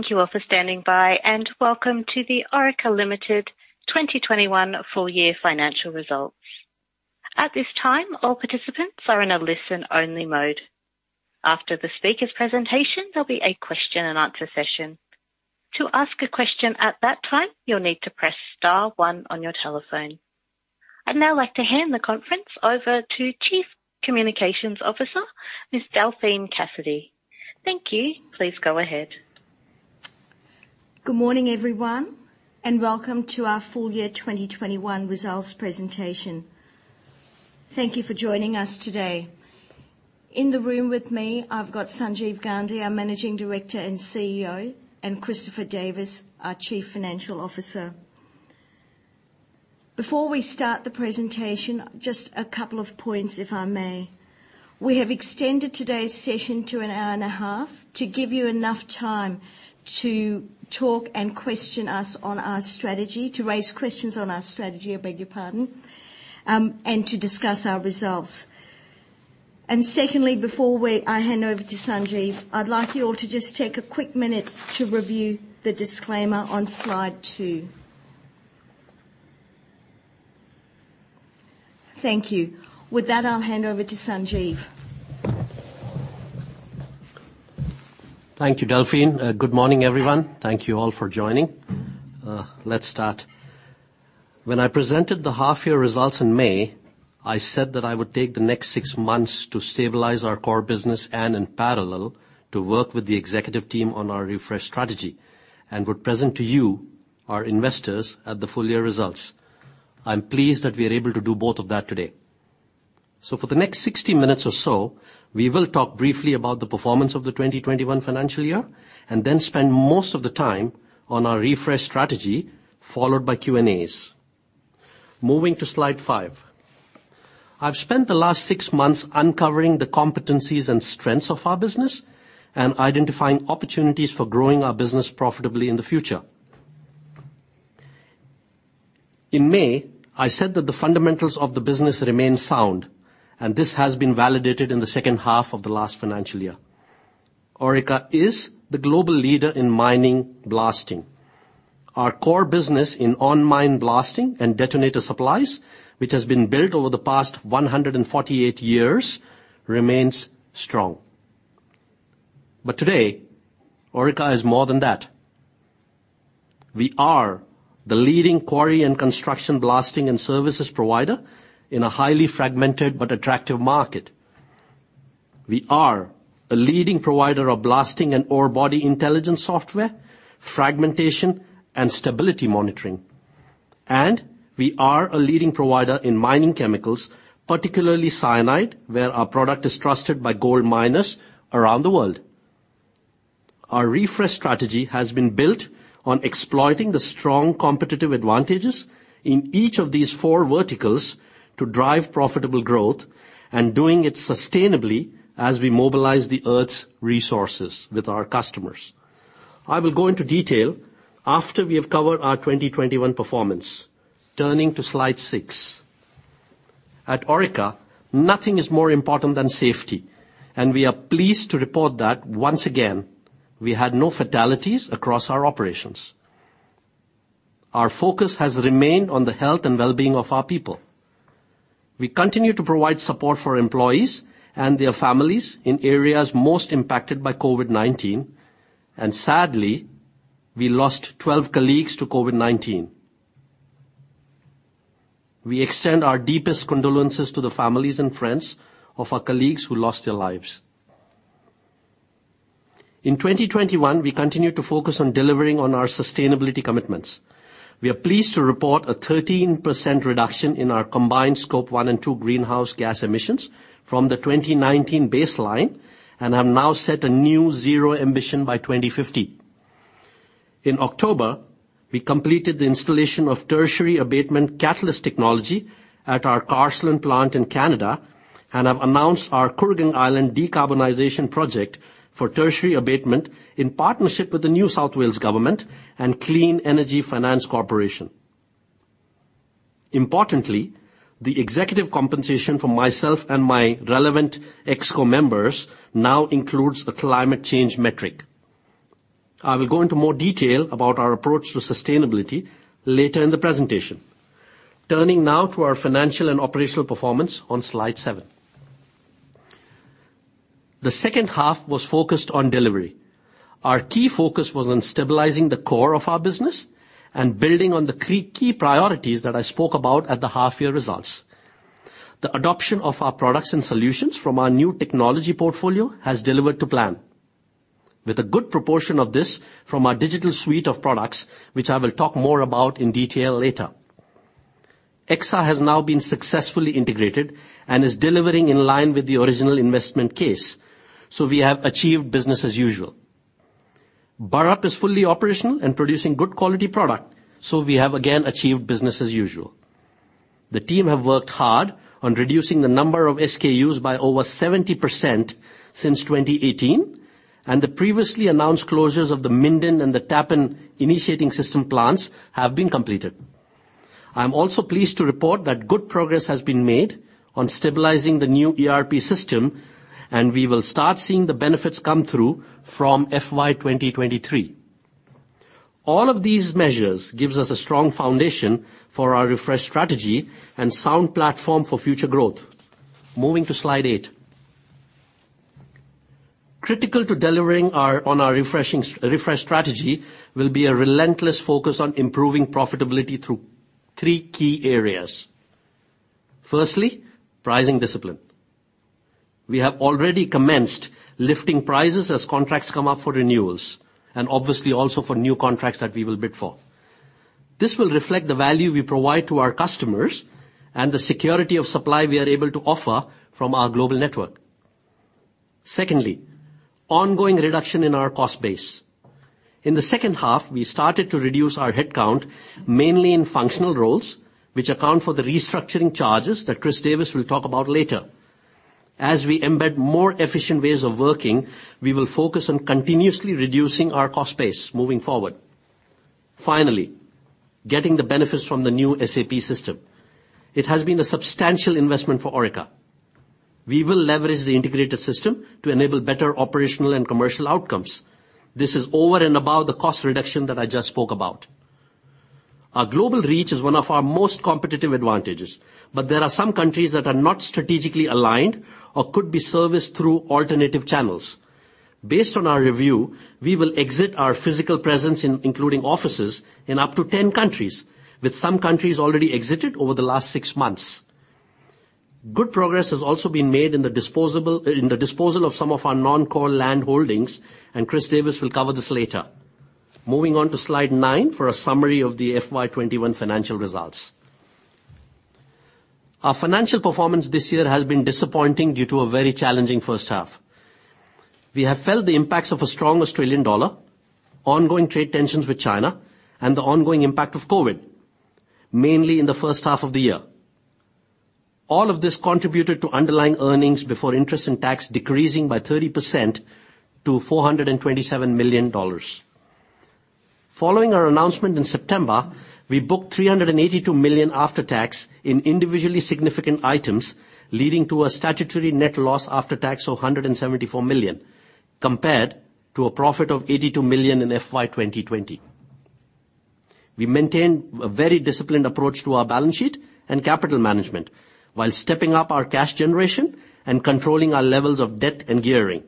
Thank you all for standing by, and welcome to the Orica Limited 2021 full year financial results. At this time, all participants are in a listen-only mode. After the speaker's presentation, there'll be a question and answer session. To ask a question at that time, you'll need to press star one on your telephone. I'd now like to hand the conference over to Chief Communications Officer, Ms. Delphine Cassidy. Thank you. Please go ahead. Good morning, everyone, and welcome to our full year 2021 results presentation. Thank you for joining us today. In the room with me, I've got Sanjeev Gandhi, our Managing Director and CEO, and Christopher Davis, our Chief Financial Officer. Before we start the presentation, just a couple of points, if I may. We have extended today's session to an hour and a half to give you enough time to raise questions on our strategy, I beg your pardon, and to discuss our results. Secondly, before I hand over to Sanjeev, I'd like you all to just take a quick minute to review the disclaimer on slide two. Thank you. With that, I'll hand over to Sanjeev. Thank you, Delphine. Good morning, everyone. Thank you all for joining. Let's start. When I presented the half-year results in May, I said that I would take the next six months to stabilize our core business and in parallel, to work with the Executive Team on our refreshed strategy and would present to you, our investors, at the full year results. I'm pleased that we are able to do both of that today. For the next 60 minutes or so, we will talk briefly about the performance of the 2021 financial year and then spend most of the time on our refreshed strategy, followed by Q&As. Moving to slide five. I've spent the last six months uncovering the competencies and strengths of our business and identifying opportunities for growing our business profitably in the future. In May, I said that the fundamentals of the business remain sound, and this has been validated in the second half of the last financial year. Orica is the global leader in mining blasting. Our core business in on-mine blasting and detonator supplies, which has been built over the past 148 years, remains strong. Today, Orica is more than that. We are the leading Quarrying and Construction blasting and services provider in a highly fragmented but attractive market. We are a leading provider of blasting and orebody intelligence software, fragmentation, and stability monitoring. We are a leading provider in mining chemicals, particularly cyanide, where our product is trusted by gold miners around the world. Our refreshed strategy has been built on exploiting the strong competitive advantages in each of these four verticals to drive profitable growth and doing it sustainably as we mobilize the Earth's resources with our customers. I will go into detail after we have covered our 2021 performance. Turning to slide six. At Orica, nothing is more important than safety. We are pleased to report that once again, we had no fatalities across our operations. Our focus has remained on the health and well-being of our people. We continue to provide support for employees and their families in areas most impacted by COVID-19. Sadly, we lost 12 colleagues to COVID-19. We extend our deepest condolences to the families and friends of our colleagues who lost their lives. In 2021, we continued to focus on delivering on our sustainability commitments. We are pleased to report a 13% reduction in our combined Scope 1 and 2 greenhouse gas emissions from the 2019 baseline. We have now set a new zero emission by 2050. In October, we completed the installation of tertiary abatement catalyst technology at our Carseland plant in Canada. We have announced our Kooragang Island Decarbonisation Project for tertiary abatement in partnership with the New South Wales government and Clean Energy Finance Corporation. Importantly, the executive compensation for myself and my relevant ExCo members now includes a climate change metric. I will go into more detail about our approach to sustainability later in the presentation. Turning now to our financial and operational performance on slide seven. The second half was focused on delivery. Our key focus was on stabilizing the core of our business and building on the key priorities that I spoke about at the half-year results. The adoption of our products and solutions from our new technology portfolio has delivered to plan, with a good proportion of this from our digital suite of products, which I will talk more about in detail later. Exsa has now been successfully integrated and is delivering in line with the original investment case. We have achieved business as usual. Burrup is fully operational and producing good quality product. We have again achieved business as usual. The team have worked hard on reducing the number of SKUs by over 70% since 2018. The previously announced closures of the Minden and the Tappen initiating system plants have been completed. I am also pleased to report that good progress has been made on stabilizing the new ERP system. We will start seeing the benefits come through from FY 2023. All of these measures gives us a strong foundation for our refresh strategy and sound platform for future growth. Moving to slide eight. Critical to delivering on our refresh strategy will be a relentless focus on improving profitability through three key areas. Firstly, pricing discipline. We have already commenced lifting prices as contracts come up for renewals, obviously also for new contracts that we will bid for. This will reflect the value we provide to our customers and the security of supply we are able to offer from our global network. Secondly, ongoing reduction in our cost base. In the second half, we started to reduce our headcount, mainly in functional roles, which account for the restructuring charges that Chris Davis will talk about later. As we embed more efficient ways of working, we will focus on continuously reducing our cost base moving forward. Finally, getting the benefits from the new SAP system. It has been a substantial investment for Orica. We will leverage the integrated system to enable better operational and commercial outcomes. This is over and above the cost reduction that I just spoke about. Our global reach is one of our most competitive advantages, but there are some countries that are not strategically aligned or could be serviced through alternative channels. Based on our review, we will exit our physical presence including offices in up to 10 countries, with some countries already exited over the last six months. Good progress has also been made in the disposal of some of our non-core land holdings, and Chris Davis will cover this later. Moving on to slide nine for a summary of the FY 2021 financial results. Our financial performance this year has been disappointing due to a very challenging first half. We have felt the impacts of a strong Australian dollar, ongoing trade tensions with China, and the ongoing impact of COVID, mainly in the first half of the year. All of this contributed to underlying EBIT decreasing by 30% to AUD 427 million. Following our announcement in September, we booked AUD 382 million after tax in individually significant items, leading to a statutory net loss after tax of 174 million, compared to a profit of 82 million in FY 2020. We maintained a very disciplined approach to our balance sheet and capital management while stepping up our cash generation and controlling our levels of debt and gearing.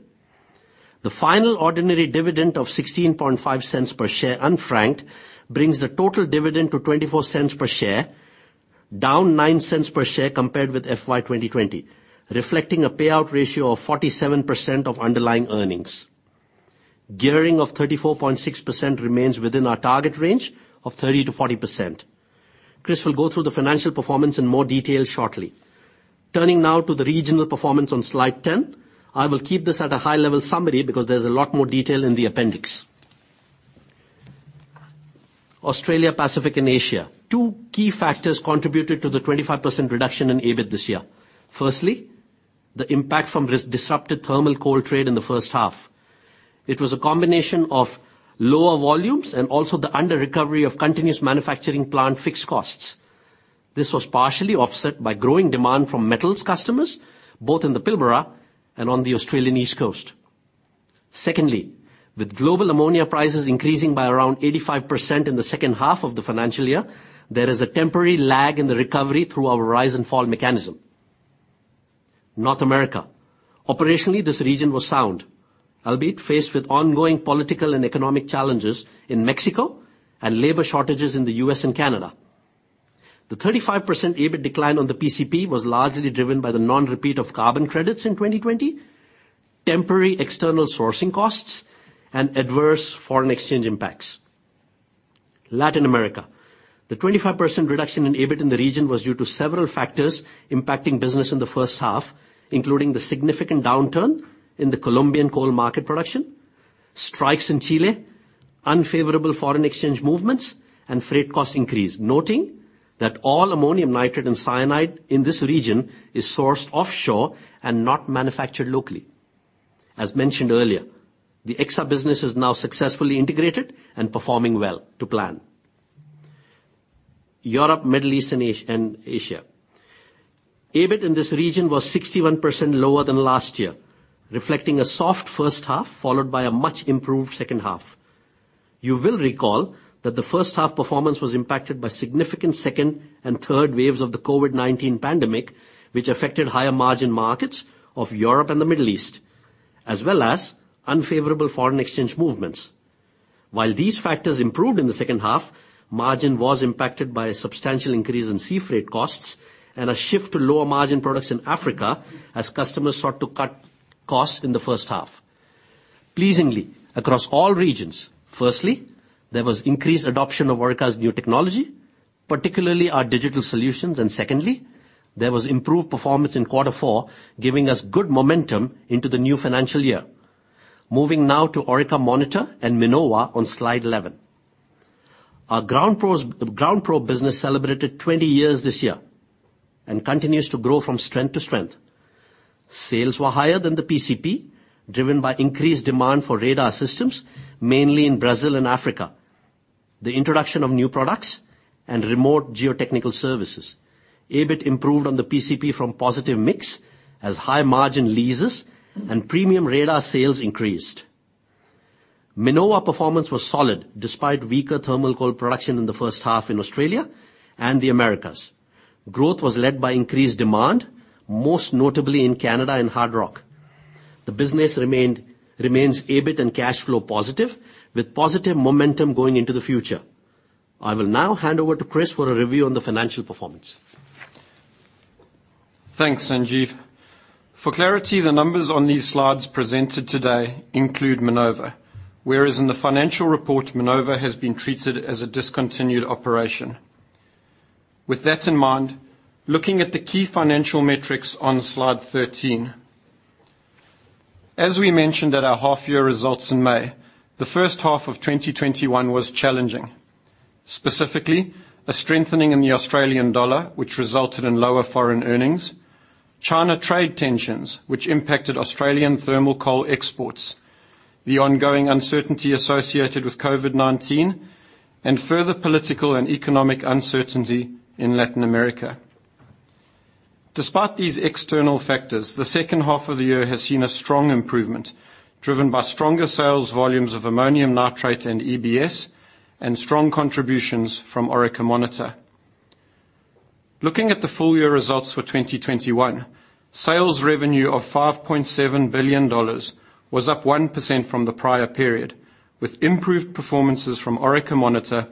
The final ordinary dividend of 0.165 per share unfranked brings the total dividend to 0.24 per share, down 0.09 per share compared with FY 2020, reflecting a payout ratio of 47% of underlying earnings. Gearing of 34.6% remains within our target range of 30%-40%. Chris will go through the financial performance in more detail shortly. Turning now to the regional performance on slide 10. I will keep this at a high-level summary because there's a lot more detail in the appendix. Australia, Pacific, and Asia. Two key factors contributed to the 25% reduction in EBIT this year. Firstly, the impact from disrupted thermal coal trade in the first half. It was a combination of lower volumes and also the under-recovery of continuous manufacturing plant fixed costs. This was partially offset by growing demand from metals customers, both in the Pilbara and on the Australian East Coast. Secondly, with global ammonia prices increasing by around 85% in the second half of the financial year, there is a temporary lag in the recovery through our rise and fall mechanism. North America. Operationally, this region was sound, albeit faced with ongoing political and economic challenges in Mexico and labor shortages in the U.S. and Canada. The 35% EBIT decline on the PCP was largely driven by the non-repeat of carbon credits in 2020, temporary external sourcing costs, and adverse foreign exchange impacts. Latin America. The 25% reduction in EBIT in the region was due to several factors impacting business in the first half, including the significant downturn in the Colombian coal market production, strikes in Chile, unfavorable foreign exchange movements, and freight cost increase, noting that all ammonium nitrate and cyanide in this region is sourced offshore and not manufactured locally. As mentioned earlier, the Exsa business is now successfully integrated and performing well to plan. Europe, Middle East, and Asia. EBIT in this region was 61% lower than last year, reflecting a soft first half followed by a much improved second half. You will recall that the first half performance was impacted by significant second and third waves of the COVID-19 pandemic, which affected higher margin markets of Europe and the Middle East, as well as unfavorable foreign exchange movements. While these factors improved in the second half, margin was impacted by a substantial increase in sea freight costs and a shift to lower margin products in Africa as customers sought to cut costs in the first half. Pleasingly, across all regions, firstly, there was increased adoption of Orica's new technology, particularly our digital solutions, and secondly, there was improved performance in quarter four, giving us good momentum into the new financial year. Moving now to Orica Monitor and Minova on slide 11. Our GroundProbe business celebrated 20 years this year and continues to grow from strength to strength. Sales were higher than the PCP, driven by increased demand for radar systems, mainly in Brazil and Africa, the introduction of new products, and remote geotechnical services. EBIT improved on the PCP from positive mix as high-margin leases and premium radar sales increased. Minova performance was solid despite weaker thermal coal production in the first half in Australia and the Americas. Growth was led by increased demand, most notably in Canada in hard rock. The business remains EBIT and cash flow positive, with positive momentum going into the future. I will now hand over to Chris for a review on the financial performance. Thanks, Sanjeev. For clarity, the numbers on these slides presented today include Minova, whereas in the financial report, Minova has been treated as a discontinued operation. With that in mind, looking at the key financial metrics on slide 13. As we mentioned at our half-year results in May, the first half of 2021 was challenging. Specifically, a strengthening in the Australian dollar, which resulted in lower foreign earnings, China trade tensions, which impacted Australian thermal coal exports, the ongoing uncertainty associated with COVID-19, and further political and economic uncertainty in Latin America. Despite these external factors, the second half of the year has seen a strong improvement, driven by stronger sales volumes of ammonium nitrate and EBS, and strong contributions from Orica Monitor. Looking at the full-year results for 2021, sales revenue of 5.7 billion dollars was up 1% from the prior period, with improved performances from Orica Monitor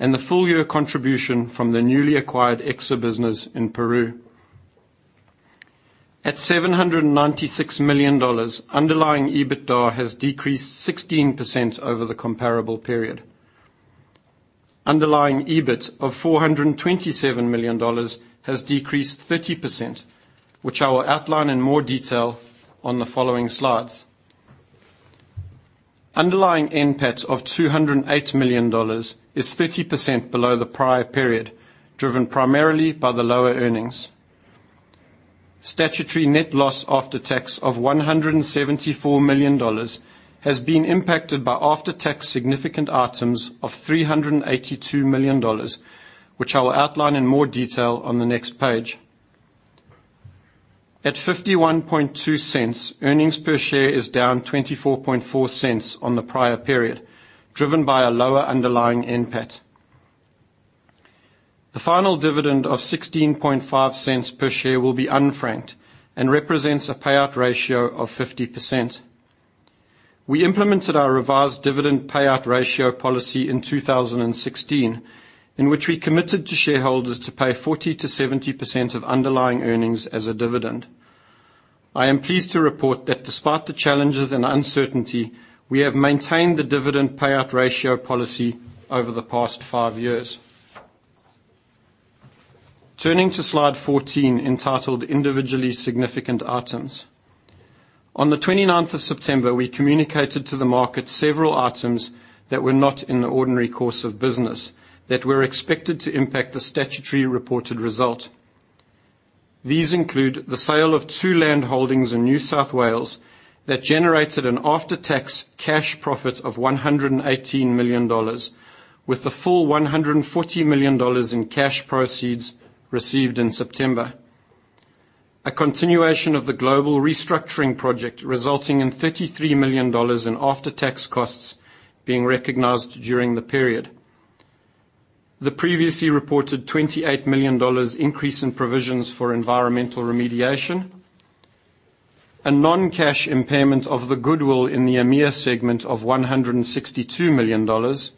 and the full-year contribution from the newly acquired Exsa business in Peru. At 796 million dollars, underlying EBITDA has decreased 16% over the comparable period. Underlying EBIT of 427 million dollars has decreased 30%, which I will outline in more detail on the following slides. Underlying NPAT of 208 million dollars is 30% below the prior period, driven primarily by the lower earnings. Statutory net loss after tax of 174 million dollars has been impacted by after-tax significant items of 382 million dollars, which I will outline in more detail on the next page. At 0.512, earnings per share is down 0.244 on the prior period, driven by a lower underlying NPAT. The final dividend of 0.165 per share will be unfranked and represents a payout ratio of 50%. We implemented our revised dividend payout ratio policy in 2016, in which we committed to shareholders to pay 40%-70% of underlying earnings as a dividend. I am pleased to report that despite the challenges and uncertainty, we have maintained the dividend payout ratio policy over the past five years. Turning to slide 14, entitled Individually Significant Items. On the 29th of September, we communicated to the market several items that were not in the ordinary course of business that were expected to impact the statutory reported result. These include the sale of two land holdings in New South Wales that generated an after-tax cash profit of 118 million dollars, with the full 140 million dollars in cash proceeds received in September. A continuation of the global restructuring project resulting in 33 million dollars in after-tax costs being recognized during the period. The previously reported 28 million dollars increase in provisions for environmental remediation, a non-cash impairment of the goodwill in the EMEA segment of 162 million dollars.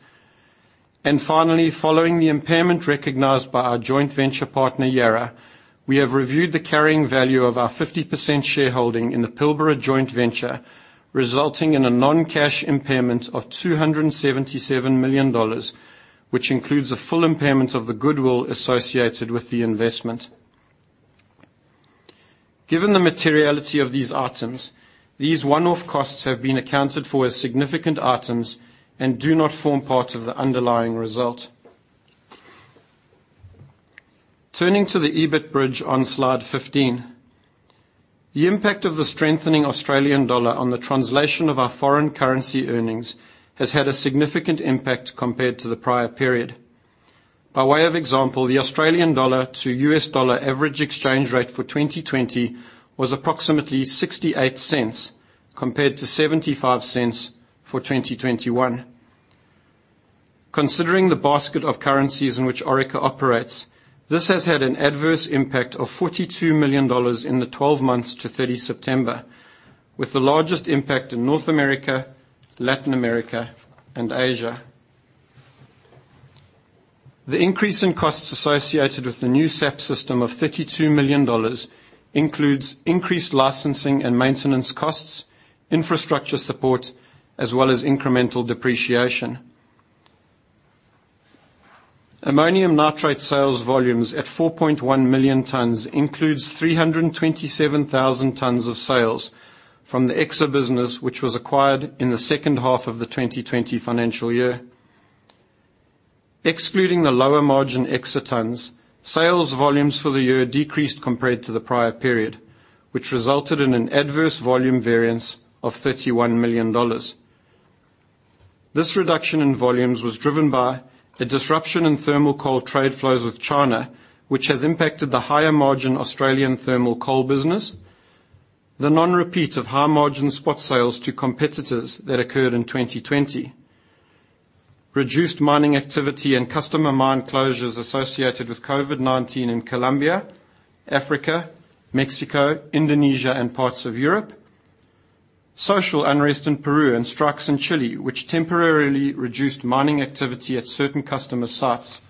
Finally, following the impairment recognized by our joint venture partner, Yara, we have reviewed the carrying value of our 50% shareholding in the Pilbara joint venture, resulting in a non-cash impairment of AUD 277 million, which includes a full impairment of the goodwill associated with the investment. Given the materiality of these items, these one-off costs have been accounted for as significant items and do not form part of the underlying result. Turning to the EBIT bridge on slide 15. By way of example, the Australian dollar to US dollar average exchange rate for 2020 was approximately $0.68 compared to $0.75 for 2021. Considering the basket of currencies in which Orica operates, this has had an adverse impact of 42 million dollars in the 12 months to 30 September, with the largest impact in North America, Latin America, and Asia. The increase in costs associated with the new SAP system of 32 million dollars includes increased licensing and maintenance costs, infrastructure support, as well as incremental depreciation. Ammonium nitrate sales volumes at 4.1 million tons includes 327,000 tons of sales from the Exsa business, which was acquired in the second half of the 2020 financial year. Excluding the lower margin Exsa tons, sales volumes for the year decreased compared to the prior period, which resulted in an adverse volume variance of 31 million dollars. This reduction in volumes was driven by a disruption in thermal coal trade flows with China, which has impacted the higher margin Australian thermal coal business, the non-repeat of high margin spot sales to competitors that occurred in 2020, reduced mining activity and customer mine closures associated with COVID-19 in Colombia, Africa, Mexico, Indonesia, and parts of Europe, social unrest in Peru and strikes in Chile, which temporarily reduced mining activity at certain customer sites,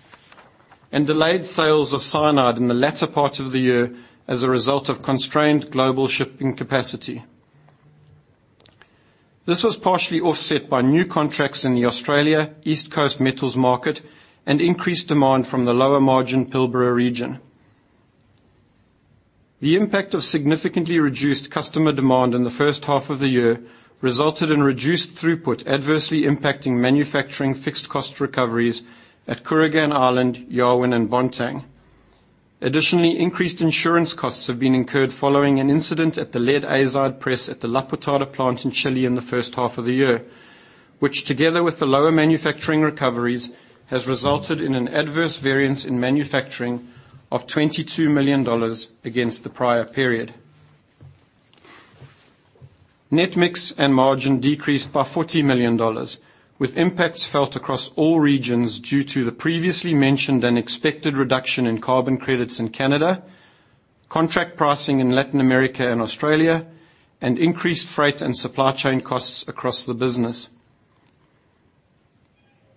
and delayed sales of cyanide in the latter part of the year as a result of constrained global shipping capacity. This was partially offset by new contracts in the Australia East Coast metals market and increased demand from the lower margin Pilbara region. The impact of significantly reduced customer demand in the first half of the year resulted in reduced throughput, adversely impacting manufacturing fixed cost recoveries at Kooragang Island, Yarwun, and Bontang. Additionally, increased insurance costs have been incurred following an incident at the lead azide press at the La Portada plant in Chile in the first half of the year, which together with the lower manufacturing recoveries, has resulted in an adverse variance in manufacturing of 22 million dollars against the prior period. Net mix and margin decreased by 40 million dollars, with impacts felt across all regions due to the previously mentioned unexpected reduction in carbon credits in Canada, contract pricing in Latin America and Australia, and increased freight and supply chain costs across the business.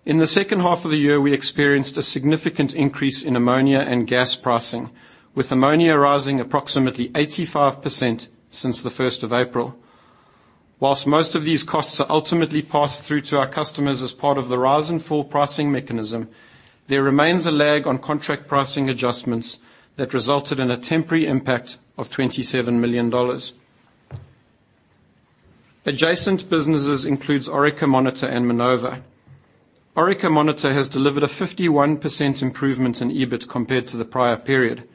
In the second half of the year, we experienced a significant increase in ammonia and gas pricing, with ammonia rising approximately 85% since the 1st of April. Whilst most of these costs are ultimately passed through to our customers as part of the rise and fall pricing mechanism, there remains a lag on contract pricing adjustments that resulted in a temporary impact of 27 million dollars. Adjacent businesses includes Orica Monitor and Minova. Orica Monitor has delivered a 51% improvement in EBIT compared to the prior period.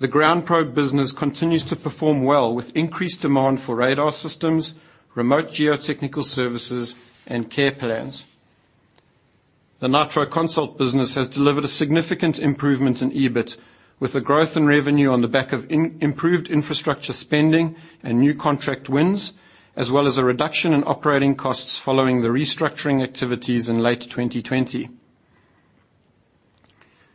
The GroundProbe business continues to perform well with increased demand for radar systems, remote geotechnical services, and care plans. The Nitro Consult business has delivered a significant improvement in EBIT with the growth in revenue on the back of improved infrastructure spending and new contract wins, as well as a reduction in operating costs following the restructuring activities in late 2020.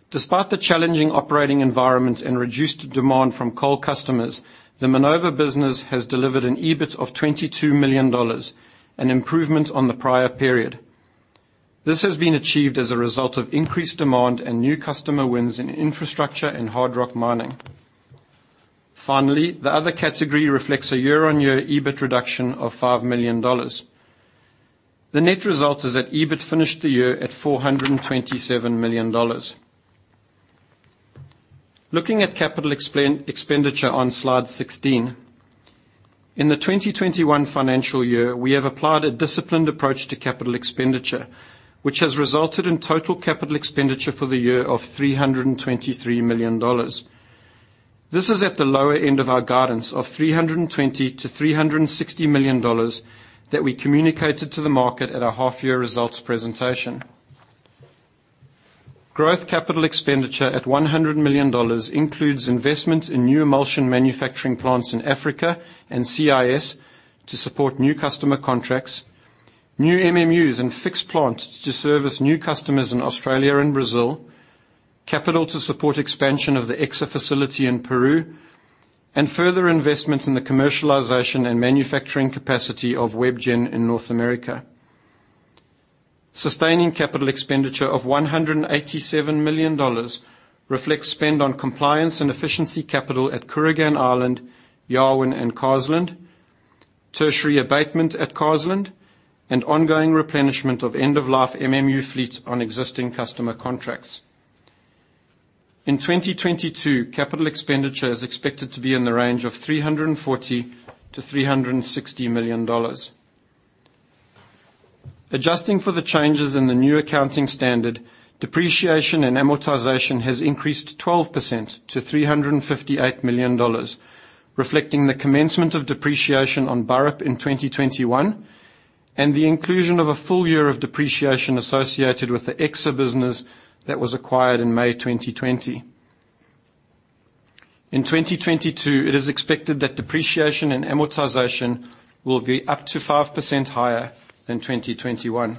Despite the challenging operating environment and reduced demand from coal customers, the Minova business has delivered an EBIT of 22 million dollars, an improvement on the prior period. This has been achieved as a result of increased demand and new customer wins in infrastructure and hard rock mining. Finally, the other category reflects a year-on-year EBIT reduction of 5 million dollars. The net result is that EBIT finished the year at 427 million dollars. Looking at capital expenditure on slide 16. In the 2021 financial year, we have applied a disciplined approach to capital expenditure, which has resulted in total capital expenditure for the year of 323 million dollars. This is at the lower end of our guidance of 320 million-360 million dollars that we communicated to the market at our half year results presentation. Growth capital expenditure at 100 million dollars includes investments in new emulsion manufacturing plants in Africa and CIS to support new customer contracts, new MMUs and fixed plants to service new customers in Australia and Brazil, capital to support expansion of the Exsa facility in Peru, and further investments in the commercialization and manufacturing capacity of WebGen in North America. Sustaining capital expenditure of AUD 187 million reflects spend on compliance and efficiency capital at Kooragang Island, Yarwun, and Carseland, tertiary abatement at Carseland, and ongoing replenishment of end-of-life MMU fleets on existing customer contracts. In 2022, capital expenditure is expected to be in the range of 340 million-360 million dollars. Adjusting for the changes in the new accounting standard, depreciation and amortization has increased 12% to 358 million dollars, reflecting the commencement of depreciation on Burrup in 2021 and the inclusion of a full year of depreciation associated with the Exsa business that was acquired in May 2020. In 2022, it is expected that depreciation and amortization will be up to 5% higher than 2021.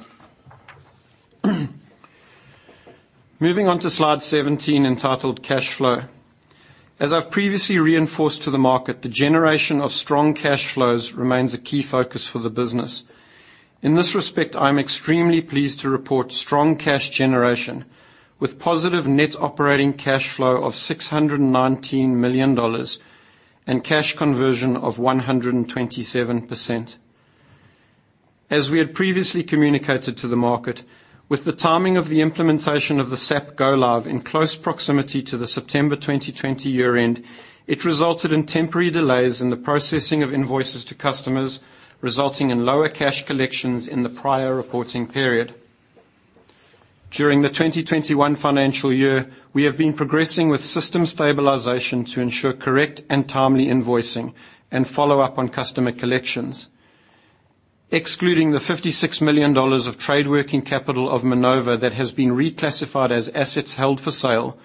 Moving on to slide 17 entitled Cash Flow. As I've previously reinforced to the market, the generation of strong cash flows remains a key focus for the business. In this respect, I'm extremely pleased to report strong cash generation with positive net operating cash flow of 619 million dollars and cash conversion of 127%. We had previously communicated to the market, with the timing of the implementation of the SAP go-live in close proximity to the September 2020 year-end, it resulted in temporary delays in the processing of invoices to customers, resulting in lower cash collections in the prior reporting period. During the 2021 financial year, we have been progressing with system stabilization to ensure correct and timely invoicing and follow up on customer collections. Excluding the 56 million dollars of trade working capital of Minova that has been reclassified as assets held for sale,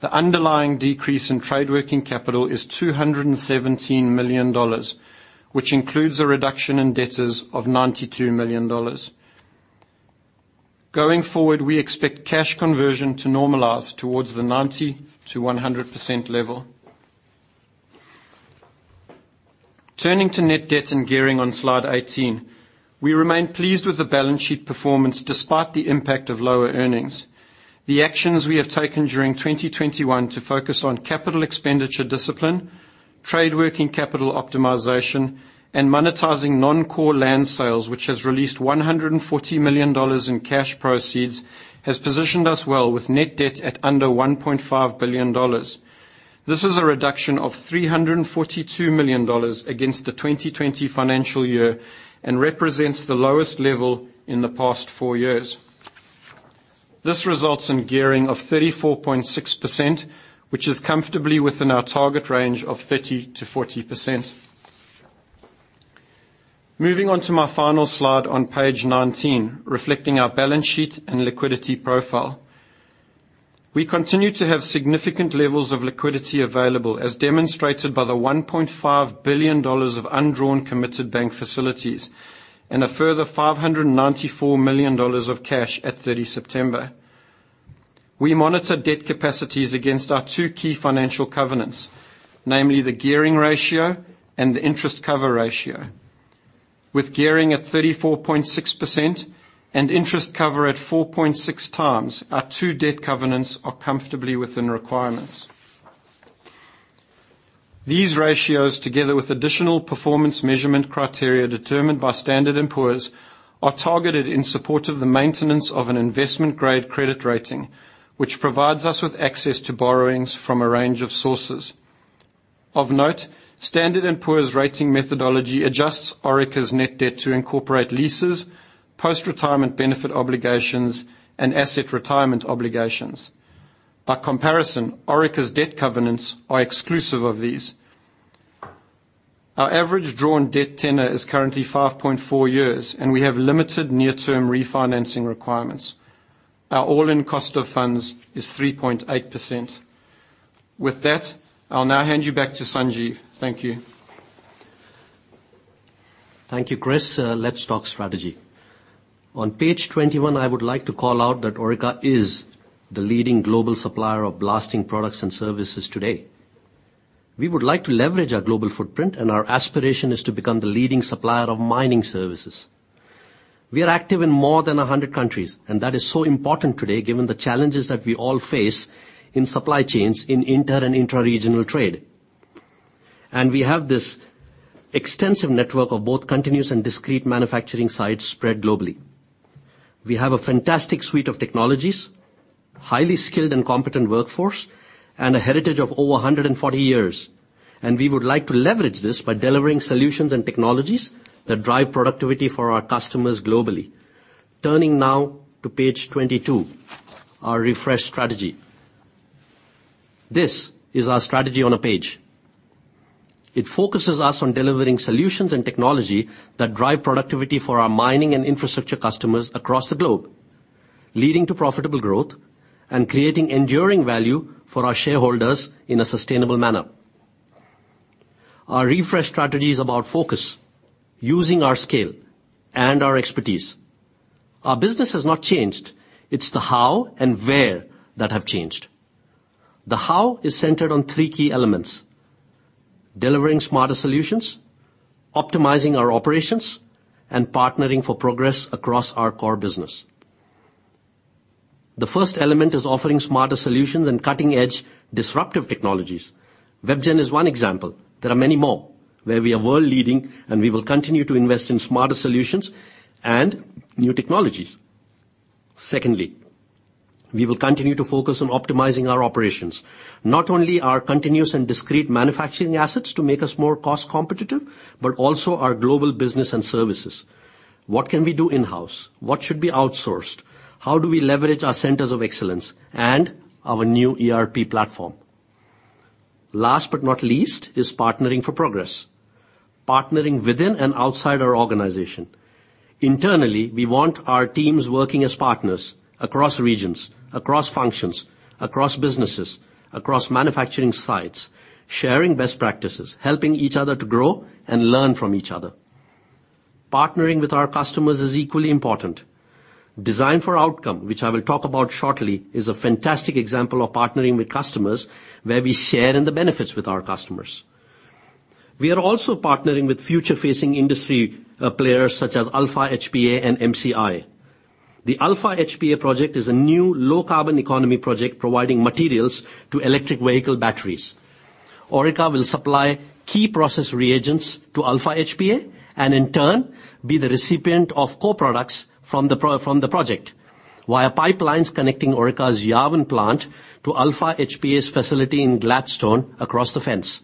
the underlying decrease in trade working capital is 217 million dollars, which includes a reduction in debtors of 92 million dollars. Going forward, we expect cash conversion to normalize towards the 90%-100% level. Turning to net debt and gearing on slide 18. We remain pleased with the balance sheet performance despite the impact of lower earnings. The actions we have taken during 2021 to focus on capital expenditure discipline, trade working capital optimization, and monetizing non-core land sales, which has released AUD 140 million in cash proceeds, has positioned us well with net debt at under AUD 1.5 billion. This is a reduction of AUD 342 million against the 2020 financial year and represents the lowest level in the past four years. This results in gearing of 34.6%, which is comfortably within our target range of 30%-40%. Moving on to my final slide on page 19, reflecting our balance sheet and liquidity profile. We continue to have significant levels of liquidity available, as demonstrated by the 1.5 billion dollars of undrawn committed bank facilities and a further 594 million dollars of cash at 30 September. We monitor debt capacities against our two key financial covenants, namely the gearing ratio and the interest cover ratio. With gearing at 34.6% and interest cover at 4.6 times, our two debt covenants are comfortably within requirements. These ratios, together with additional performance measurement criteria determined by Standard & Poor's, are targeted in support of the maintenance of an investment-grade credit rating, which provides us with access to borrowings from a range of sources. Of note, Standard & Poor's rating methodology adjusts Orica's net debt to incorporate leases, post-retirement benefit obligations, and asset retirement obligations. By comparison, Orica's debt covenants are exclusive of these. Our average drawn debt tenor is currently 5.4 years, and we have limited near-term refinancing requirements. Our all-in cost of funds is 3.8%. With that, I'll now hand you back to Sanjeev. Thank you. Thank you, Chris. Let's talk strategy. On page 21, I would like to call out that Orica is the leading global supplier of blasting products and services today. We would like to leverage our global footprint, our aspiration is to become the leading supplier of mining services. We are active in more than 100 countries, that is so important today given the challenges that we all face in supply chains in inter and intra-regional trade. We have this extensive network of both continuous and discrete manufacturing sites spread globally. We have a fantastic suite of technologies, highly skilled and competent workforce, and a heritage of over 140 years. We would like to leverage this by delivering solutions and technologies that drive productivity for our customers globally. Turning now to page 22, our refresh strategy. This is our strategy on a page. It focuses us on delivering solutions and technology that drive productivity for our mining and infrastructure customers across the globe, leading to profitable growth and creating enduring value for our shareholders in a sustainable manner. Our refresh strategy is about focus, using our scale and our expertise. Our business has not changed. It's the how and where that have changed. The how is centered on three key elements: delivering smarter solutions, optimizing our operations, and partnering for progress across our core business. The first element is offering smarter solutions and cutting-edge disruptive technologies. WebGen is one example. There are many more where we are world-leading, we will continue to invest in smarter solutions and new technologies. Secondly, we will continue to focus on optimizing our operations, not only our continuous and discrete manufacturing assets to make us more cost competitive, but also our global business and services. What can we do in-house? What should be outsourced? How do we leverage our centers of excellence and our new ERP platform? Last but not least is partnering for progress. Partnering within and outside our organization. Internally, we want our teams working as partners across regions, across functions, across businesses, across manufacturing sites, sharing best practices, helping each other to grow and learn from each other. Partnering with our customers is equally important. Design for outcome, which I will talk about shortly, is a fantastic example of partnering with customers, where we share in the benefits with our customers. We are also partnering with future-facing industry players such as Alpha HPA and MCi. The Alpha HPA project is a new low-carbon economy project providing materials to electric vehicle batteries. Orica will supply key process reagents to Alpha HPA and, in turn, be the recipient of co-products from the project via pipelines connecting Orica's Yarwun plant to Alpha HPA's facility in Gladstone across the fence.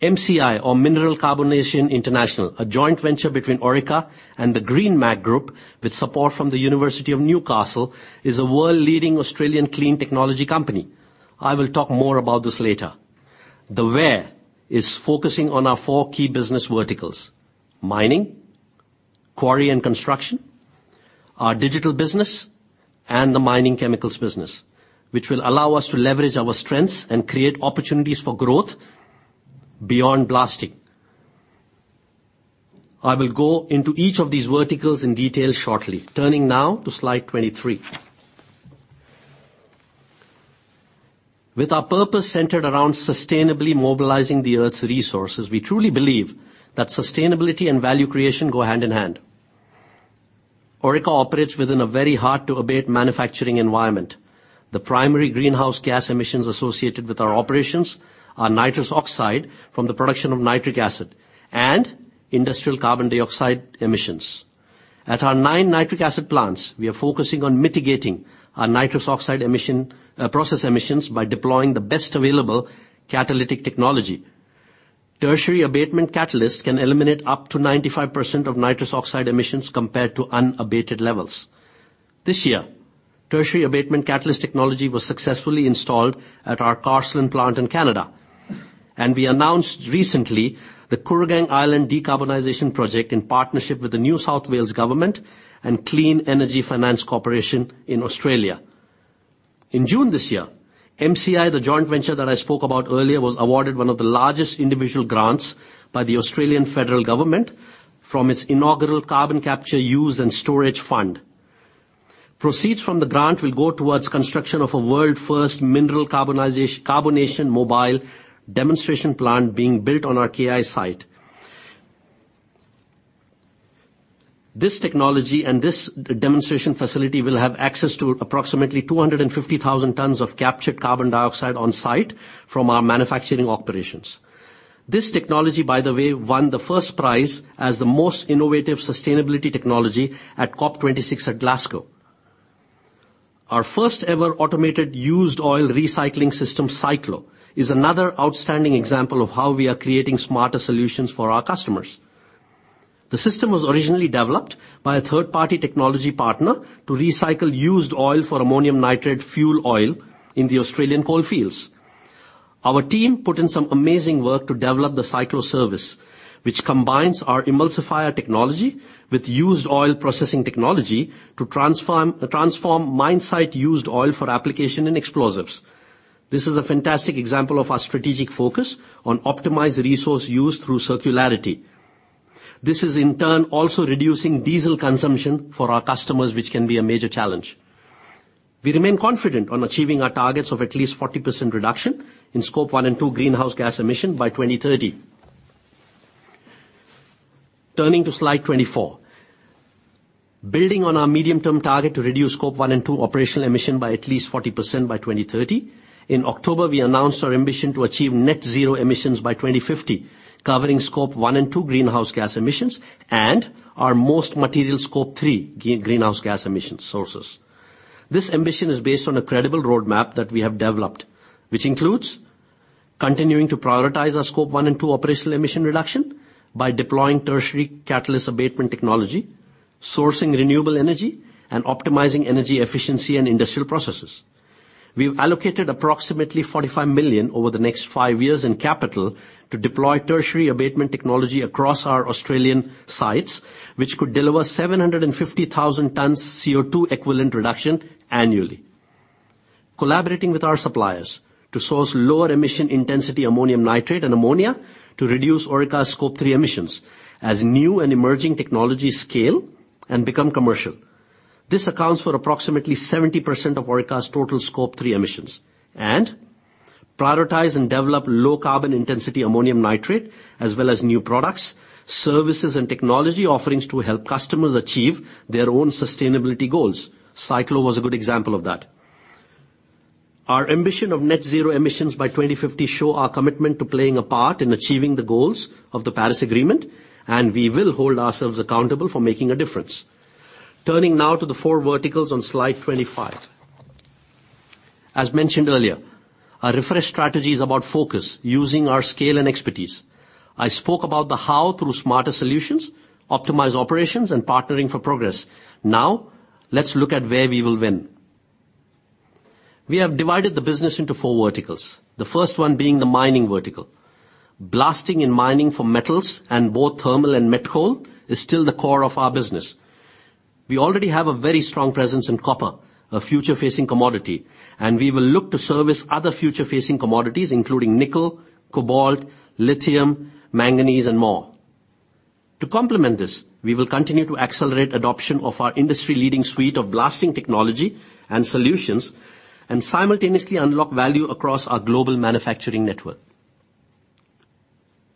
MCi or Mineral Carbonation International, a joint venture between Orica and the GreenMag Group with support from the University of Newcastle, is a world-leading Australian clean technology company. I will talk more about this later. The where is focusing on our four key business verticals, mining, quarry and construction, our digital business, and the mining chemicals business, which will allow us to leverage our strengths and create opportunities for growth beyond blasting. I will go into each of these verticals in detail shortly. Turning now to slide 23. With our purpose centered around sustainably mobilizing the Earth's resources, we truly believe that sustainability and value creation go hand in hand. Orica operates within a very hard-to-abate manufacturing environment. The primary greenhouse gas emissions associated with our operations are nitrous oxide from the production of nitric acid and industrial carbon dioxide emissions. At our nine nitric acid plants, we are focusing on mitigating our nitrous oxide emission, process emissions by deploying the best available catalytic technology. Tertiary abatement catalyst can eliminate up to 95% of nitrous oxide emissions compared to unabated levels. This year, tertiary abatement catalyst technology was successfully installed at our Carseland plant in Canada, and we announced recently the Kooragang Island Decarbonisation Project in partnership with the New South Wales Government and Clean Energy Finance Corporation in Australia. In June this year, MCi, the joint venture that I spoke about earlier, was awarded one of the largest individual grants by the Australian Federal Government from its inaugural Carbon Capture, Use, and Storage fund. Proceeds from the grant will go towards construction of a world-first mineral carbonization mobile demonstration plant being built on our KI site. This technology and this demonstration facility will have access to approximately 250,000 tons of captured carbon dioxide on site from our manufacturing operations. This technology, by the way, won the first prize as the most innovative sustainability technology at COP 26 at Glasgow. Our first ever automated used oil recycling system, Cyclo, is another outstanding example of how we are creating smarter solutions for our customers. The system was originally developed by a third-party technology partner to recycle used oil for ammonium nitrate fuel oil in the Australian coal fields. Our team put in some amazing work to develop the Cyclo service, which combines our emulsifier technology with used oil processing technology to transform mine site used oil for application and explosives. This is a fantastic example of our strategic focus on optimized resource use through circularity. This is in turn also reducing diesel consumption for our customers, which can be a major challenge. We remain confident on achieving our targets of at least 40% reduction in Scope 1 and 2 greenhouse gas emission by 2030. Turning to slide 24. Building on our medium-term target to reduce Scope 1 and 2 operational emission by at least 40% by 2030, in October, we announced our ambition to achieve net zero emissions by 2050, covering Scope 1 and 2 greenhouse gas emissions and our most material Scope 3 greenhouse gas emission sources. This ambition is based on a credible roadmap that we have developed, which includes continuing to prioritize our Scope 1 and 2 operational emission reduction by deploying tertiary catalyst abatement technology, sourcing renewable energy, and optimizing energy efficiency and industrial processes. We've allocated approximately 45 million over the next five years in capital to deploy tertiary abatement technology across our Australian sites, which could deliver 750,000 tons CO2 equivalent reduction annually. Collaborating with our suppliers to source lower emission intensity ammonium nitrate and ammonia to reduce Orica's Scope 3 emissions as new and emerging technologies scale and become commercial. This accounts for approximately 70% of Orica's total Scope 3 emissions. Prioritize and develop low carbon intensity ammonium nitrate, as well as new products, services, and technology offerings to help customers achieve their own sustainability goals. Cyclo was a good example of that. Our ambition of net zero emissions by 2050 show our commitment to playing a part in achieving the goals of the Paris Agreement, and we will hold ourselves accountable for making a difference. Turning now to the four verticals on slide 25. As mentioned earlier, our refreshed strategy is about focus using our scale and expertise. I spoke about the how through smarter solutions, optimize operations, and partnering for progress. Let's look at where we will win. We have divided the business into four verticals, the first one being the mining vertical. Blasting and mining for metals in both thermal and met coal is still the core of our business. We already have a very strong presence in copper, a future-facing commodity, and we will look to service other future-facing commodities, including nickel, cobalt, lithium, manganese, and more. To complement this, we will continue to accelerate adoption of our industry-leading suite of blasting technology and solutions, and simultaneously unlock value across our global manufacturing network.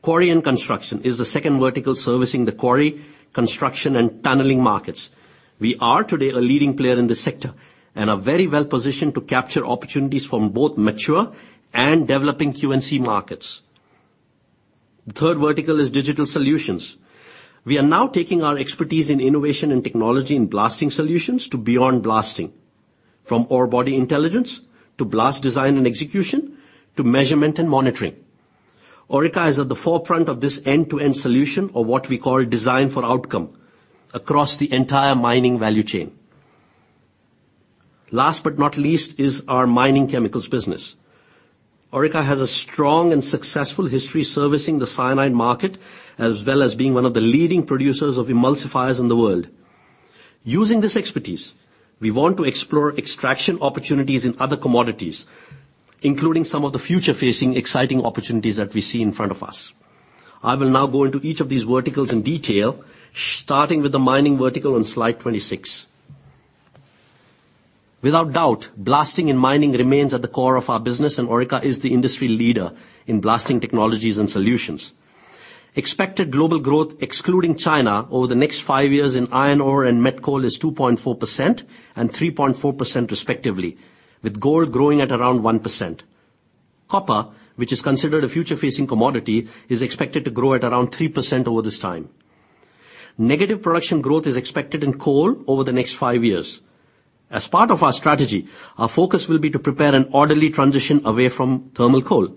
Quarry and Construction is the second vertical servicing the quarry, construction, and tunneling markets. We are today a leading player in this sector and are very well positioned to capture opportunities from both mature and developing Q&C markets. The third vertical is digital solutions. We are now taking our expertise in innovation and technology in blasting solutions to beyond blasting. From orebody intelligence, to blast design and execution, to measurement and monitoring. Orica is at the forefront of this end-to-end solution, or what we call design for outcome, across the entire mining value chain. Last but not least is our mining chemicals business. Orica has a strong and successful history servicing the cyanide market, as well as being one of the leading producers of emulsifiers in the world. Using this expertise, we want to explore extraction opportunities in other commodities, including some of the future-facing exciting opportunities that we see in front of us. I will now go into each of these verticals in detail, starting with the mining vertical on slide 26. Without doubt, blasting and mining remains at the core of our business, and Orica is the industry leader in blasting technologies and solutions. Expected global growth, excluding China, over the next five years in iron ore and met coal is 2.4% and 3.4% respectively, with gold growing at around 1%. Copper, which is considered a future-facing commodity, is expected to grow at around 3% over this time. Negative production growth is expected in coal over the next five years. As part of our strategy, our focus will be to prepare an orderly transition away from thermal coal.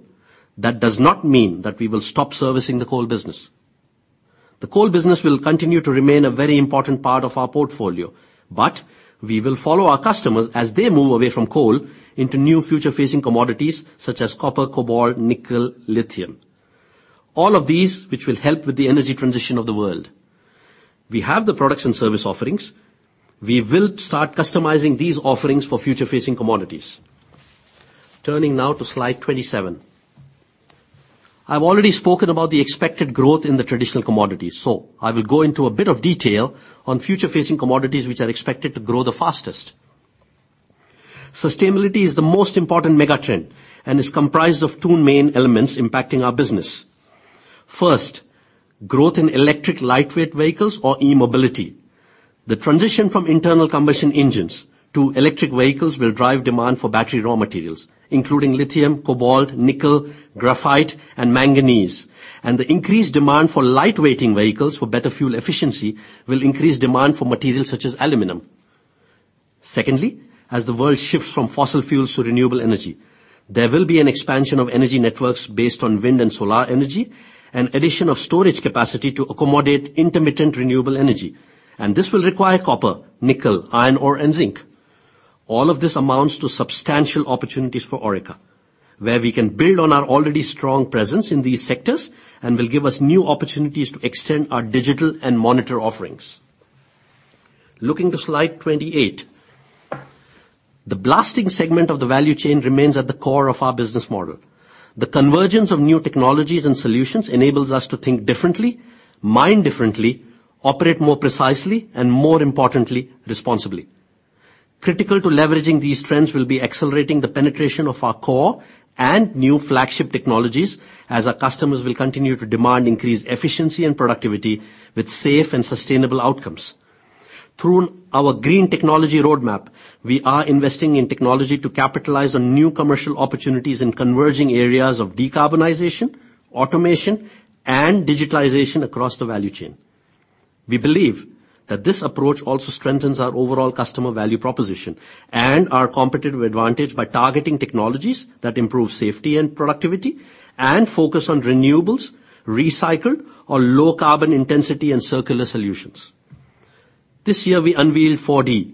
That does not mean that we will stop servicing the coal business. The coal business will continue to remain a very important part of our portfolio, but we will follow our customers as they move away from coal into new future-facing commodities such as copper, cobalt, nickel, lithium. All of these, which will help with the energy transition of the world. We have the products and service offerings. We will start customizing these offerings for future-facing commodities. Turning now to slide 27. I've already spoken about the expected growth in the traditional commodities, so I will go into a bit of detail on future-facing commodities which are expected to grow the fastest. Sustainability is the most important mega-trend and is comprised of two main elements impacting our business. First, growth in electric lightweight vehicles or e-mobility. The transition from internal combustion engines to electric vehicles will drive demand for battery raw materials, including lithium, cobalt, nickel, graphite, and manganese. The increased demand for light-weighting vehicles for better fuel efficiency will increase demand for materials such as aluminum. Secondly, as the world shifts from fossil fuels to renewable energy, there will be an expansion of energy networks based on wind and solar energy and addition of storage capacity to accommodate intermittent renewable energy, and this will require copper, nickel, iron ore, and zinc. All of this amounts to substantial opportunities for Orica, where we can build on our already strong presence in these sectors and will give us new opportunities to extend our digital and monitor offerings. Looking to slide 28. The blasting segment of the value chain remains at the core of our business model. The convergence of new technologies and solutions enables us to think differently, mine differently, operate more precisely, and more importantly, responsibly. Critical to leveraging these trends will be accelerating the penetration of our core and new flagship technologies as our customers will continue to demand increased efficiency and productivity with safe and sustainable outcomes. Through our green technology roadmap, we are investing in technology to capitalize on new commercial opportunities in converging areas of decarbonization, automation, and digitalization across the value chain. We believe that this approach also strengthens our overall customer value proposition and our competitive advantage by targeting technologies that improve safety and productivity and focus on renewables, recycled or low carbon intensity and circular solutions. This year, we unveiled 4D,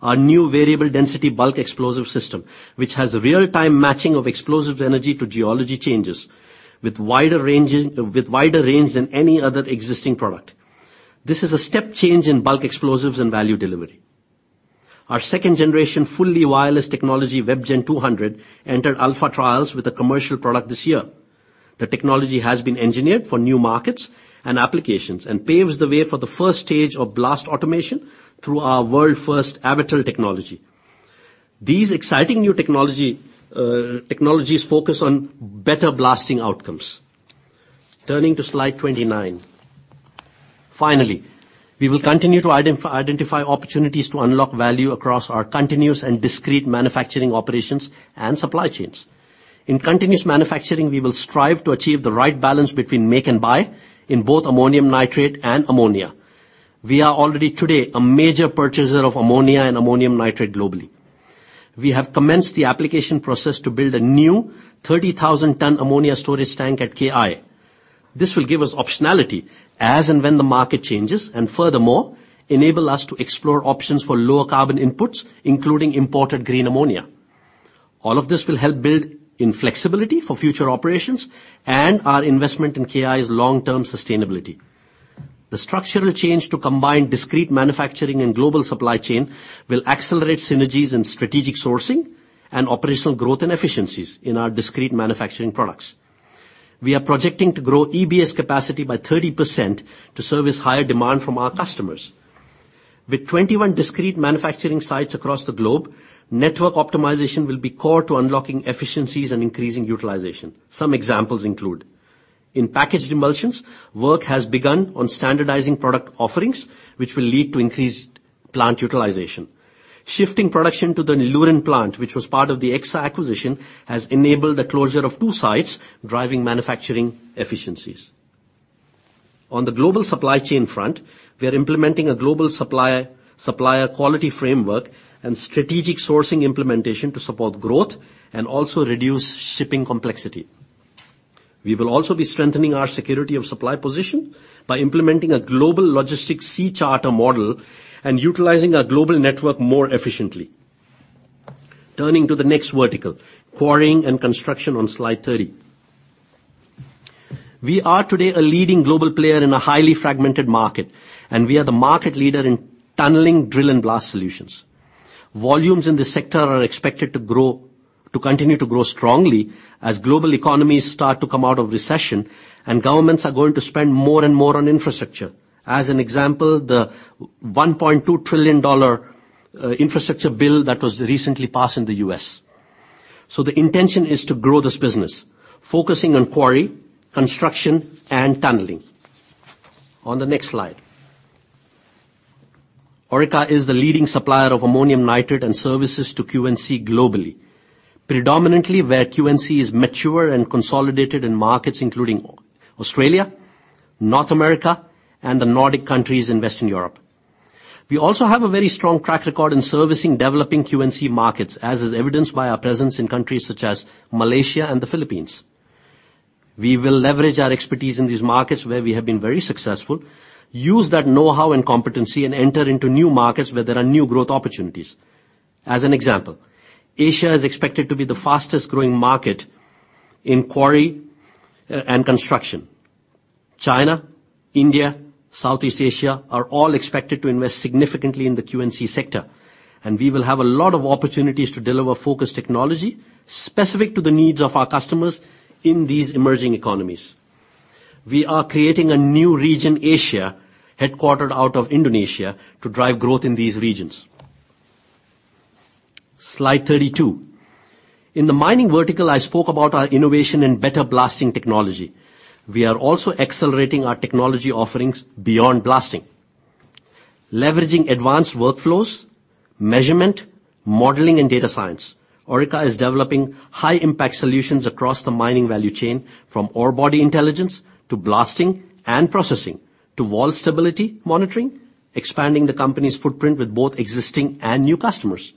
our new variable density bulk explosive system, which has a real-time matching of explosives energy to geology changes with wider range than any other existing product. This is a step change in bulk explosives and value delivery. Our second generation fully wireless technology, WebGen200, entered alpha trials with a commercial product this year. The technology has been engineered for new markets and applications and paves the way for the first stage of blast automation through our world-first Avatel technology. These exciting new technologies focus on better blasting outcomes. Turning to slide 29. Finally, we will continue to identify opportunities to unlock value across our continuous and discrete manufacturing operations and supply chains. In continuous manufacturing, we will strive to achieve the right balance between make and buy in both ammonium nitrate and ammonia. We are already today a major purchaser of ammonia and ammonium nitrate globally. We have commenced the application process to build a new 30,000 ton ammonia storage tank at KI. This will give us optionality as and when the market changes, and furthermore, enable us to explore options for lower carbon inputs, including imported green ammonia. All of this will help build in flexibility for future operations and our investment in KI's long-term sustainability. The structural change to combine discrete manufacturing and global supply chain will accelerate synergies in strategic sourcing and operational growth and efficiencies in our discrete manufacturing products. We are projecting to grow EBS capacity by 30% to service higher demand from our customers. With 21 discrete manufacturing sites across the globe, network optimization will be core to unlocking efficiencies and increasing utilization. Some examples include, in packaged emulsions, work has begun on standardizing product offerings, which will lead to increased plant utilization. Shifting production to the Nellore plant, which was part of the Exsa acquisition, has enabled the closure of two sites, driving manufacturing efficiencies. On the global supply chain front, we are implementing a global supplier quality framework and strategic sourcing implementation to support growth and also reduce shipping complexity. We will also be strengthening our security of supply position by implementing a global logistics sea charter model and utilizing our global network more efficiently. Turning to the next vertical, Quarrying and Construction on slide 30. We are today a leading global player in a highly fragmented market, and we are the market leader in tunneling, drill and blast solutions. Volumes in this sector are expected to continue to grow strongly as global economies start to come out of recession and governments are going to spend more and more on infrastructure. As an example, the $1.2 trillion infrastructure bill that was recently passed in the U.S. The intention is to grow this business, focusing on quarry, construction, and tunneling. On the next slide. Orica is the leading supplier of ammonium nitrate and services to Q&C globally, predominantly where Q&C is mature and consolidated in markets including Australia, North America, and the Nordic countries in Western Europe. We also have a very strong track record in servicing developing Q&C markets, as is evidenced by our presence in countries such as Malaysia and the Philippines. We will leverage our expertise in these markets where we have been very successful, use that know-how and competency and enter into new markets where there are new growth opportunities. As an example, Asia is expected to be the fastest-growing market in Quarrying and Construction. China, India, Southeast Asia are all expected to invest significantly in the Q&C sector, and we will have a lot of opportunities to deliver focused technology specific to the needs of our customers in these emerging economies. We are creating a new region, Asia, headquartered out of Indonesia, to drive growth in these regions. Slide 32. In the mining vertical, I spoke about our innovation in better blasting technology. We are also accelerating our technology offerings beyond blasting. Leveraging advanced workflows, measurement, modeling and data science, Orica is developing high-impact solutions across the mining value chain from orebody intelligence to blasting and processing to wall stability monitoring, expanding the company's footprint with both existing and new customers.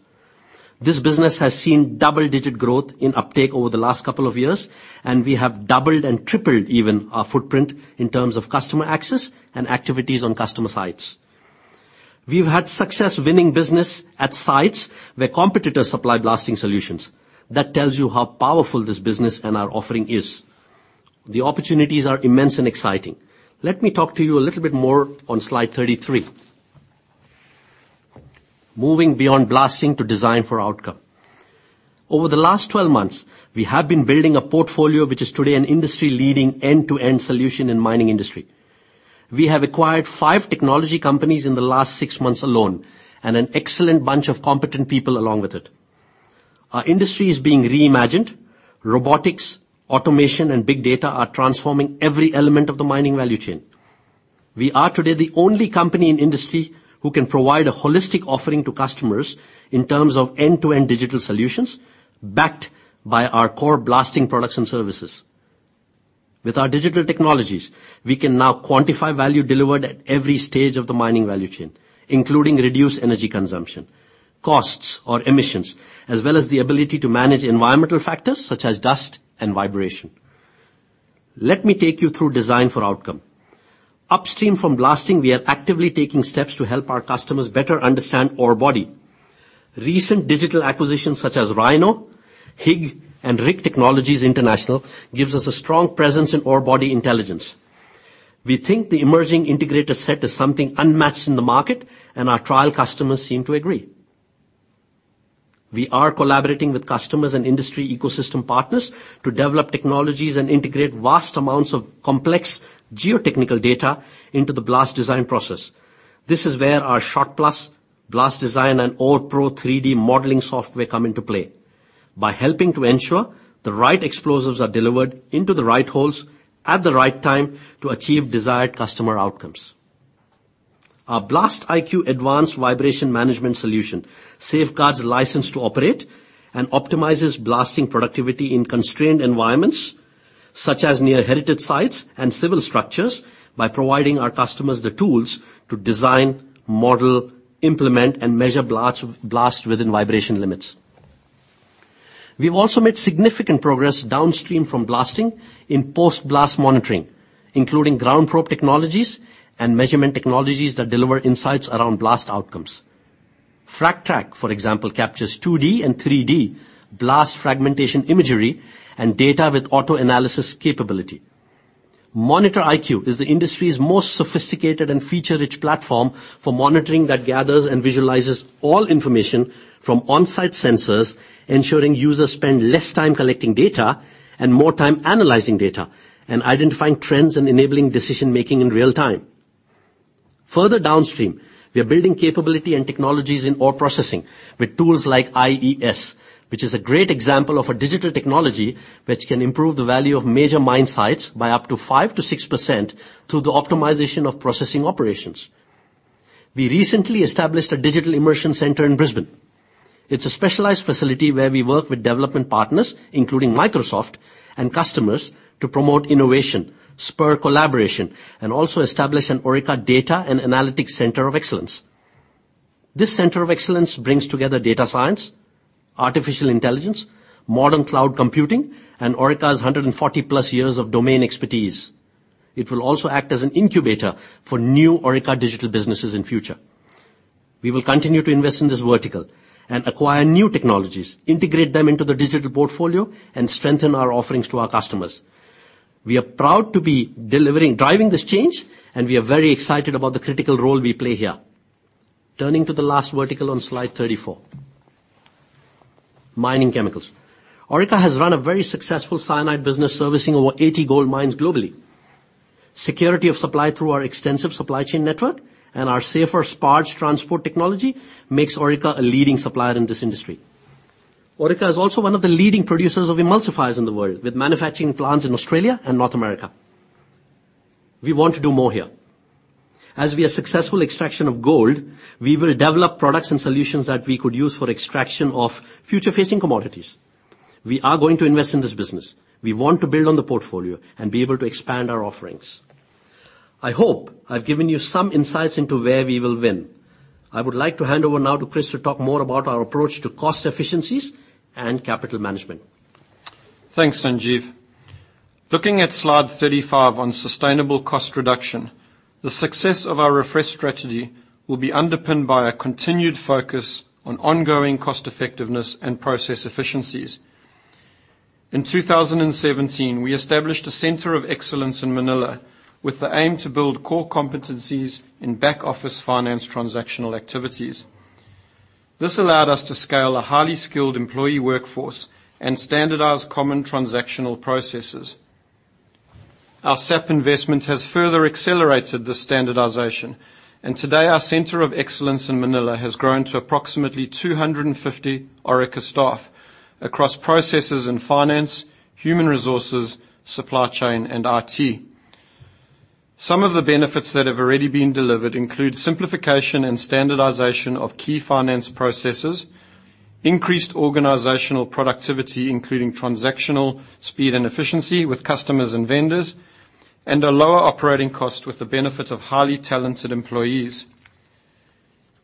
This business has seen double-digit growth in uptake over the last couple of years, and we have doubled and tripled even our footprint in terms of customer access and activities on customer sites. We've had success winning business at sites where competitors supply blasting solutions. That tells you how powerful this business and our offering is. The opportunities are immense and exciting. Let me talk to you a little bit more on Slide 33. Moving beyond blasting to design for outcome. Over the last 12 months, we have been building a portfolio which is today an industry-leading end-to-end solution in mining industry. We have acquired five technology companies in the last six months alone and an excellent bunch of competent people along with it. Our industry is being reimagined. Robotics, automation and big data are transforming every element of the mining value chain. We are today the only company in industry who can provide a holistic offering to customers in terms of end-to-end digital solutions backed by our core blasting products and services. With our digital technologies, we can now quantify value delivered at every stage of the mining value chain, including reduced energy consumption, costs or emissions, as well as the ability to manage environmental factors such as dust and vibration. Let me take you through design for outcome. Upstream from blasting, we are actively taking steps to help our customers better understand orebody. Recent digital acquisitions such as Rhino, HIG, and RIG Technologies gives us a strong presence in orebody intelligence. We think the emerging integrated set is something unmatched in the market, and our trial customers seem to agree. We are collaborating with customers and industry ecosystem partners to develop technologies and integrate vast amounts of complex geotechnical data into the blast design process. This is where our SHOTPlus blast design and OREPro 3D modeling software come into play by helping to ensure the right explosives are delivered into the right holes at the right time to achieve desired customer outcomes. Our BlastIQ advanced vibration management solution safeguards license to operate and optimizes blasting productivity in constrained environments, such as near heritage sites and civil structures by providing our customers the tools to design, model, implement and measure blasts within vibration limits. We've also made significant progress downstream from blasting in post-blast monitoring, including GroundProbe technologies and measurement technologies that deliver insights around blast outcomes. FRAGTrack, for example, captures 2D and 3D blast fragmentation imagery and data with auto-analysis capability. MonitorIQ is the industry's most sophisticated and feature-rich platform for monitoring that gathers and visualizes all information from on-site sensors, ensuring users spend less time collecting data and more time analyzing data and identifying trends and enabling decision-making in real time. Further downstream, we are building capability and technologies in ore processing with tools like IES, which is a great example of a digital technology which can improve the value of major mine sites by up to 5%-6% through the optimization of processing operations. We recently established a digital immersion center in Brisbane. It's a specialized facility where we work with development partners, including Microsoft and customers, to promote innovation, spur collaboration, and also establish an Orica data and analytics center of excellence. This center of excellence brings together data science, artificial intelligence, modern cloud computing, and Orica's 140-plus years of domain expertise. It will also act as an incubator for new Orica digital businesses in future. We will continue to invest in this vertical and acquire new technologies, integrate them into the digital portfolio, and strengthen our offerings to our customers. We are proud to be delivering, driving this change, and we are very excited about the critical role we play here. Turning to the last vertical on slide 34, mining chemicals. Orica has run a very successful cyanide business servicing over 80 gold mines globally. Security of supply through our extensive supply chain network and our safer SPARS transport technology makes Orica a leading supplier in this industry. Orica is also one of the leading producers of emulsifiers in the world, with manufacturing plants in Australia and North America. We want to do more here. As we are successful extraction of gold, we will develop products and solutions that we could use for extraction of future-facing commodities. We are going to invest in this business. We want to build on the portfolio and be able to expand our offerings. I hope I've given you some insights into where we will win. I would like to hand over now to Chris to talk more about our approach to cost efficiencies and capital management. Thanks, Sanjeev. Looking at slide 35 on sustainable cost reduction. The success of our refresh strategy will be underpinned by a continued focus on ongoing cost effectiveness and process efficiencies. In 2017, we established a Center of Excellence in Manila with the aim to build core competencies in back-office finance transactional activities. This allowed us to scale a highly skilled employee workforce and standardize common transactional processes. Our SAP investment has further accelerated this standardization, and today, our Center of Excellence in Manila has grown to approximately 250 Orica staff across processes in finance, human resources, supply chain, and IT. Some of the benefits that have already been delivered include simplification and standardization of key finance processes, increased organizational productivity, including transactional speed and efficiency with customers and vendors, and a lower operating cost with the benefit of highly talented employees.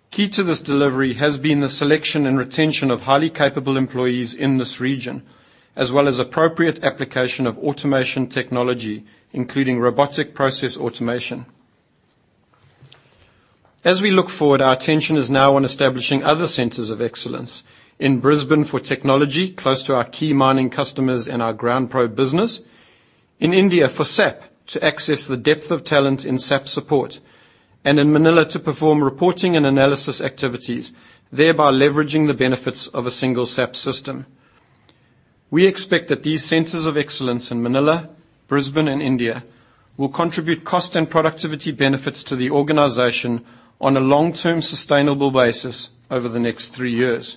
Key to this delivery has been the selection and retention of highly capable employees in this region, as well as appropriate application of automation technology, including robotic process automation. As we look forward, our attention is now on establishing other centers of excellence. In Brisbane for technology, close to our key mining customers and our GroundProbe business. In India for SAP to access the depth of talent in SAP support, and in Manila to perform reporting and analysis activities, thereby leveraging the benefits of a single SAP system. We expect that these centers of excellence in Manila, Brisbane, and India will contribute cost and productivity benefits to the organization on a long-term sustainable basis over the next three years.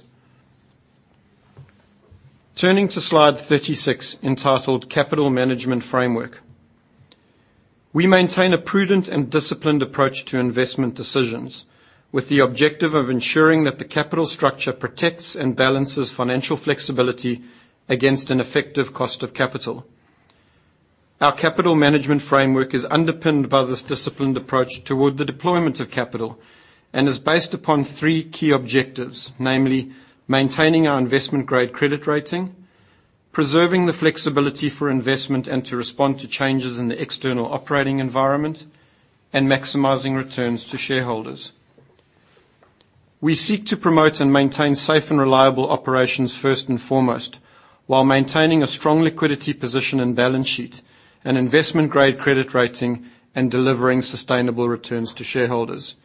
Turning to slide 36, entitled Capital Management Framework. We maintain a prudent and disciplined approach to investment decisions with the objective of ensuring that the capital structure protects and balances financial flexibility against an effective cost of capital. Our capital management framework is underpinned by this disciplined approach toward the deployment of capital and is based upon three key objectives, namely, maintaining our investment-grade credit rating, preserving the flexibility for investment and to respond to changes in the external operating environment, and maximizing returns to shareholders. We seek to promote and maintain safe and reliable operations first and foremost, while maintaining a strong liquidity position and balance sheet, an investment-grade credit rating, and delivering sustainable returns to shareholders.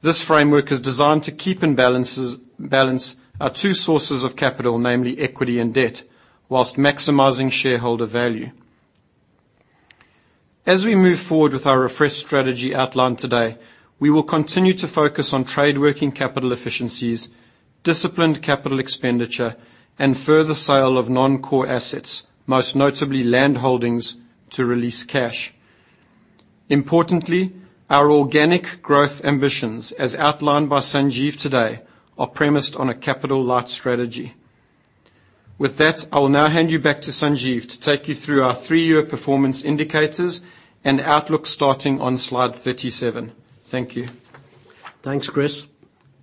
This framework is designed to keep in balance our two sources of capital, namely equity and debt, whilst maximizing shareholder value. As we move forward with our refreshed strategy outlined today, we will continue to focus on trade working capital efficiencies, disciplined capital expenditure, and further sale of non-core assets, most notably land holdings to release cash. Importantly, our organic growth ambitions, as outlined by Sanjeev today, are premised on a capital light strategy. With that, I will now hand you back to Sanjeev to take you through our three-year performance indicators and outlook starting on slide 37. Thank you. Thanks, Chris.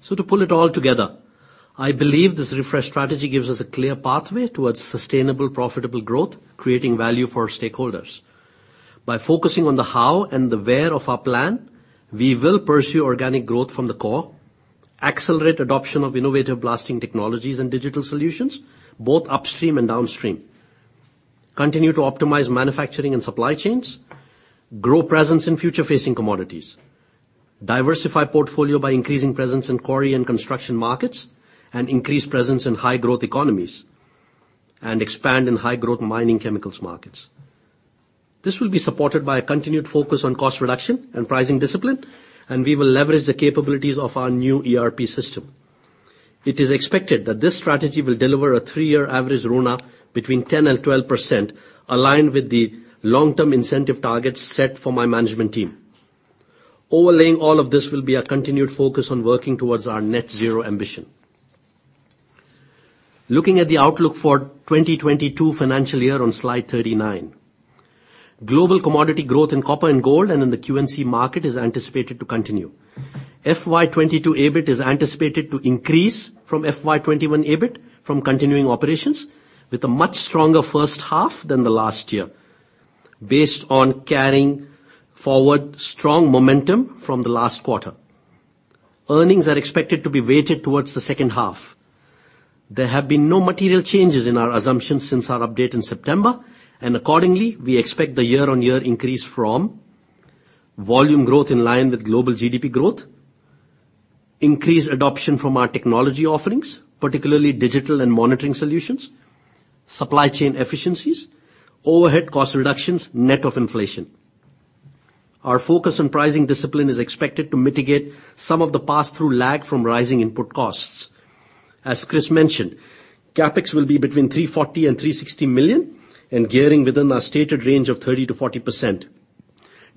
To pull it all together, I believe this refresh strategy gives us a clear pathway towards sustainable, profitable growth, creating value for stakeholders. By focusing on the how and the where of our plan, we will pursue organic growth from the core, accelerate adoption of innovative blasting technologies and digital solutions both upstream and downstream, continue to optimize manufacturing and supply chains, grow presence in future-facing commodities, diversify portfolio by increasing presence in quarry and construction markets, increase presence in high growth economies, and expand in high growth mining chemicals markets. This will be supported by a continued focus on cost reduction and pricing discipline, and we will leverage the capabilities of our new ERP system. It is expected that this strategy will deliver a three-year average RONA between 10% and 12%, aligned with the long-term incentive targets set for my management team. Overlaying all of this will be a continued focus on working towards our net zero ambition. Looking at the outlook for 2022 financial year on slide 39. Global commodity growth in copper and gold and in the Q&C market is anticipated to continue. FY 2022 EBIT is anticipated to increase from FY 2021 EBIT from continuing operations with a much stronger first half than the last year, based on carrying forward strong momentum from the last quarter. Earnings are expected to be weighted towards the second half. There have been no material changes in our assumptions since our update in September. Accordingly, we expect the year-on-year increase from volume growth in line with global GDP growth, increased adoption from our technology offerings, particularly digital and monitoring solutions, supply chain efficiencies, overhead cost reductions, net of inflation. Our focus on pricing discipline is expected to mitigate some of the pass-through lag from rising input costs. As Chris mentioned, CapEx will be between 340 million and 360 million and gearing within our stated range of 30%-40%.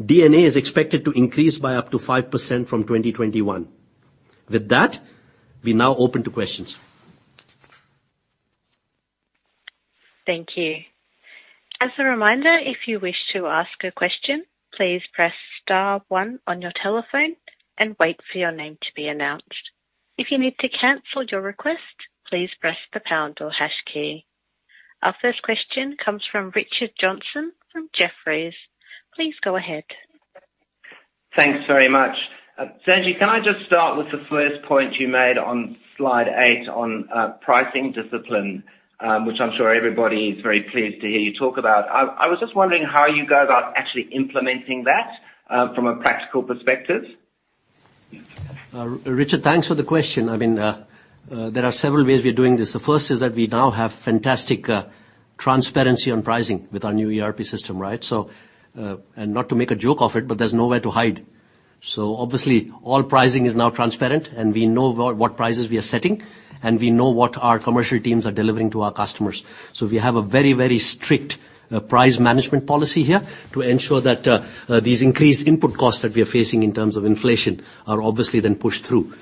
D&A is expected to increase by up to 5% from 2021. With that, we now open to questions. Thank you. As a reminder, if you wish to ask a question, please press star one on your telephone and wait for your name to be announced. If you need to cancel your request, please press the pound or hash key. Our first question comes from Richard Johnson from Jefferies. Please go ahead. Thanks very much. Sanjeev, can I just start with the first point you made on slide eight on pricing discipline, which I'm sure everybody is very pleased to hear you talk about. I was just wondering how you go about actually implementing that from a practical perspective. Richard, thanks for the question. There are several ways we are doing this. The first is that we now have fantastic transparency on pricing with our new ERP system. Not to make a joke of it, but there's nowhere to hide. Obviously, all pricing is now transparent, and we know what prices we are setting, and we know what our commercial teams are delivering to our customers. We have a very strict price management policy here to ensure that these increased input costs that we are facing in terms of inflation are obviously then pushed through.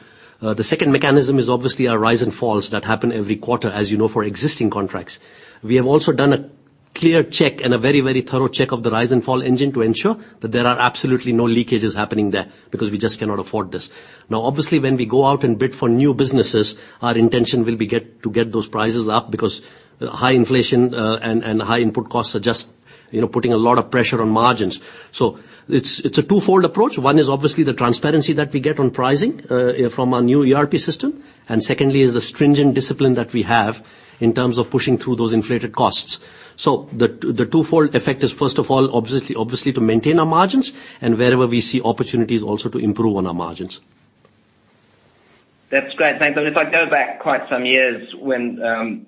The second mechanism is obviously our rise and falls that happen every quarter, as you know, for existing contracts. We have also done a clear check and a very thorough check of the rise and fall engine to ensure that there are absolutely no leakages happening there because we just cannot afford this. Obviously, when we go out and bid for new businesses, our intention will be to get those prices up because high inflation and high input costs are just putting a lot of pressure on margins. It's a twofold approach. One is obviously the transparency that we get on pricing from our new ERP system. Secondly is the stringent discipline that we have in terms of pushing through those inflated costs. The twofold effect is, first of all, obviously to maintain our margins and wherever we see opportunities, also to improve on our margins. That's great. Thanks. If I go back quite some years when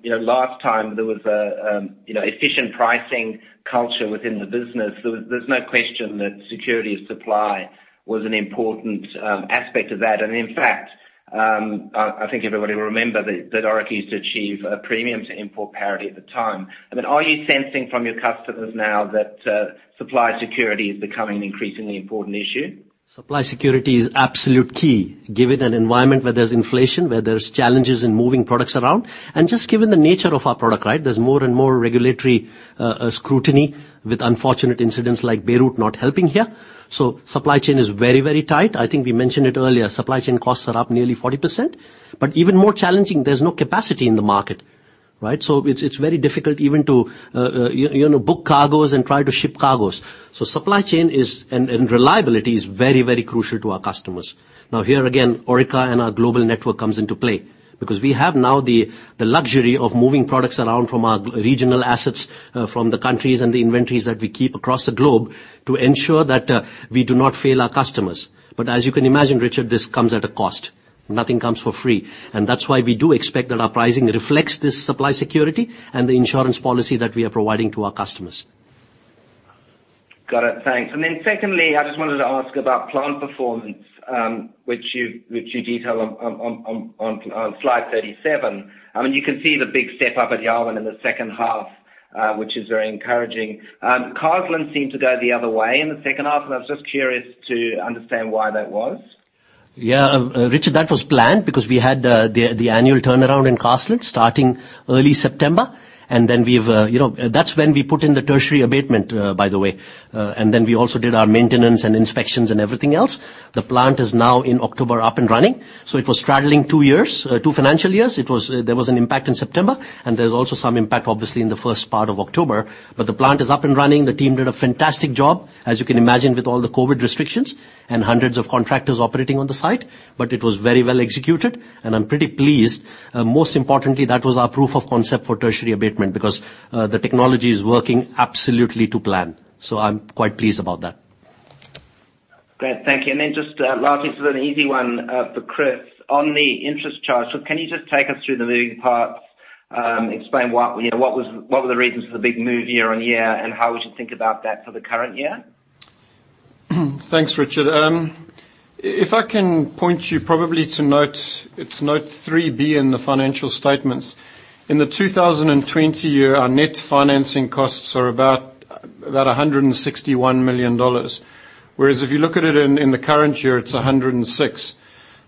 last time there was efficient pricing culture within the business, there was no question that security of supply was an important aspect of that. In fact, I think everybody will remember that Orica used to achieve a premium to import parity at the time. Are you sensing from your customers now that supply security is becoming an increasingly important issue? Supply security is absolute key, given an environment where there's inflation, where there's challenges in moving products around. Just given the nature of our product, there's more and more regulatory scrutiny with unfortunate incidents like Beirut not helping here. Supply chain is very tight. I think we mentioned it earlier, supply chain costs are up nearly 40%. Even more challenging, there's no capacity in the market. It's very difficult even to book cargoes and try to ship cargoes. Supply chain and reliability is very crucial to our customers. Here again, Orica and our global network comes into play because we have now the luxury of moving products around from our regional assets, from the countries and the inventories that we keep across the globe to ensure that we do not fail our customers. As you can imagine, Richard, this comes at a cost. Nothing comes for free. That's why we do expect that our pricing reflects this supply security and the insurance policy that we are providing to our customers. Got it. Thanks. Then secondly, I just wanted to ask about plant performance, which you detail on slide 37. You can see the big step up at Yarwun in the second half, which is very encouraging. Carseland seemed to go the other way in the second half, I was just curious to understand why that was. Yeah. Richard, that was planned because we had the annual turnaround in Carseland starting early September. That's when we put in the tertiary abatement, by the way. We also did our maintenance and inspections and everything else. The plant is now in October up and running. It was straddling two financial years. There was an impact in September, and there's also some impact, obviously, in the first part of October. The plant is up and running. The team did a fantastic job, as you can imagine, with all the COVID restrictions and hundreds of contractors operating on the site, it was very well executed, and I'm pretty pleased. Most importantly, that was our proof of concept for tertiary abatement because the technology is working absolutely to plan. I'm quite pleased about that. Great. Thank you. Just lastly, an easy one for Chris. On the interest charge, can you just take us through the moving parts, explain what were the reasons for the big move year-on-year, and how we should think about that for the current year? Thanks, Richard. If I can point you probably to note 3B in the financial statements. In the 2020 year, our net financing costs are about AUD 161 million. Whereas if you look at it in the current year, it's 106.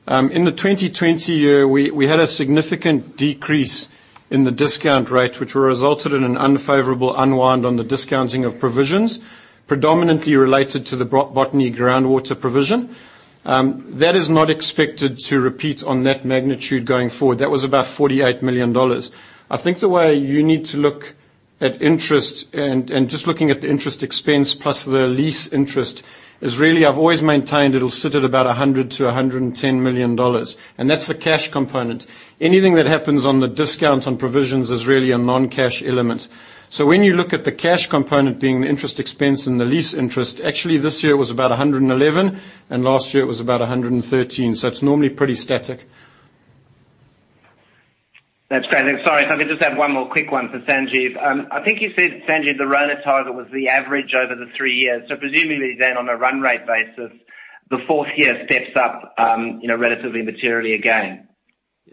In the 2020 year, we had a significant decrease in the discount rate, which resulted in an unfavorable unwind on the discounting of provisions, predominantly related to the Botany groundwater provision. That is not expected to repeat on net magnitude going forward. That was about 48 million dollars. I think the way you need to look at interest and just looking at the interest expense plus the lease interest is really, I've always maintained it'll sit at about 100 million-110 million dollars. That's the cash component. Anything that happens on the discount on provisions is really a non-cash element. When you look at the cash component being the interest expense and the lease interest, actually this year was about 111 and last year it was about 113. It's normally pretty static. That's great. Sorry, if I could just add one more quick one for Sanjeev. I think you said, Sanjeev, the ROA target was the average over the three years. Presumably then on a run rate basis, the fourth year steps up, relatively materially again.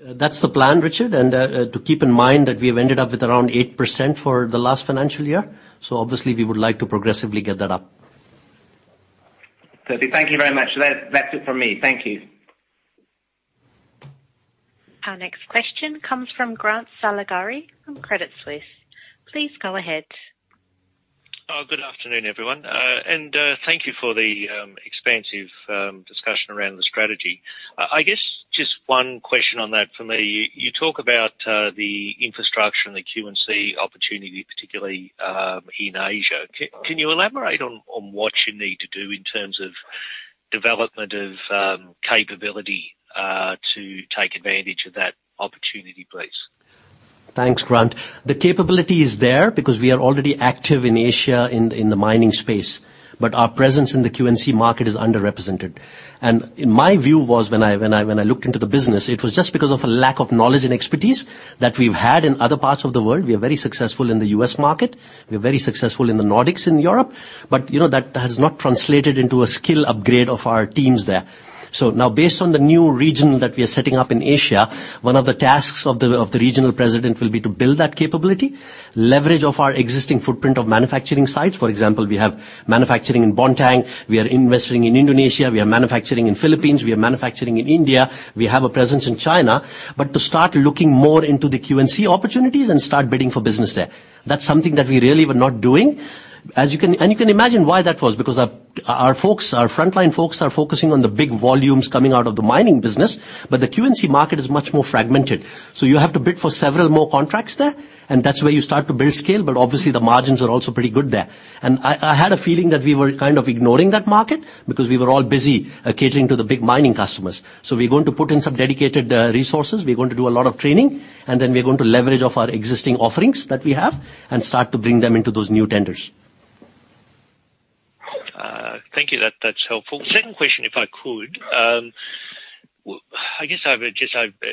That's the plan, Richard. To keep in mind that we have ended up with around 8% for the last financial year. Obviously we would like to progressively get that up. Thank you very much. That's it from me. Thank you. Our next question comes from Grant Saligari from Credit Suisse. Please go ahead. Good afternoon, everyone. Thank you for the expansive discussion around the strategy. I guess just one question on that from me. You talk about the infrastructure and the Q&C opportunity, particularly in Asia. Can you elaborate on what you need to do in terms of development of capability to take advantage of that opportunity, please? Thanks, Grant. The capability is there because we are already active in Asia in the mining space. Our presence in the Q&C market is underrepresented. My view was when I looked into the business, it was just because of a lack of knowledge and expertise that we've had in other parts of the world. We are very successful in the U.S. market. We are very successful in the Nordics in Europe, that has not translated into a skill upgrade of our teams there. Now based on the new region that we are setting up in Asia, one of the tasks of the regional president will be to build that capability, leverage of our existing footprint of manufacturing sites. For example, we have manufacturing in Bontang, we are investing in Indonesia, we are manufacturing in Philippines, we are manufacturing in India, we have a presence in China. To start looking more into the Q&C opportunities and start bidding for business there. That's something that we really were not doing. You can imagine why that was, because our frontline folks are focusing on the big volumes coming out of the mining business, the Q&C market is much more fragmented. You have to bid for several more contracts there, and that's where you start to build scale, obviously the margins are also pretty good there. I had a feeling that we were kind of ignoring that market because we were all busy catering to the big mining customers. We're going to put in some dedicated resources. We're going to do a lot of training, then we're going to leverage off our existing offerings that we have and start to bring them into those new tenders. Thank you. That's helpful. Second question, if I could. I guess, just over the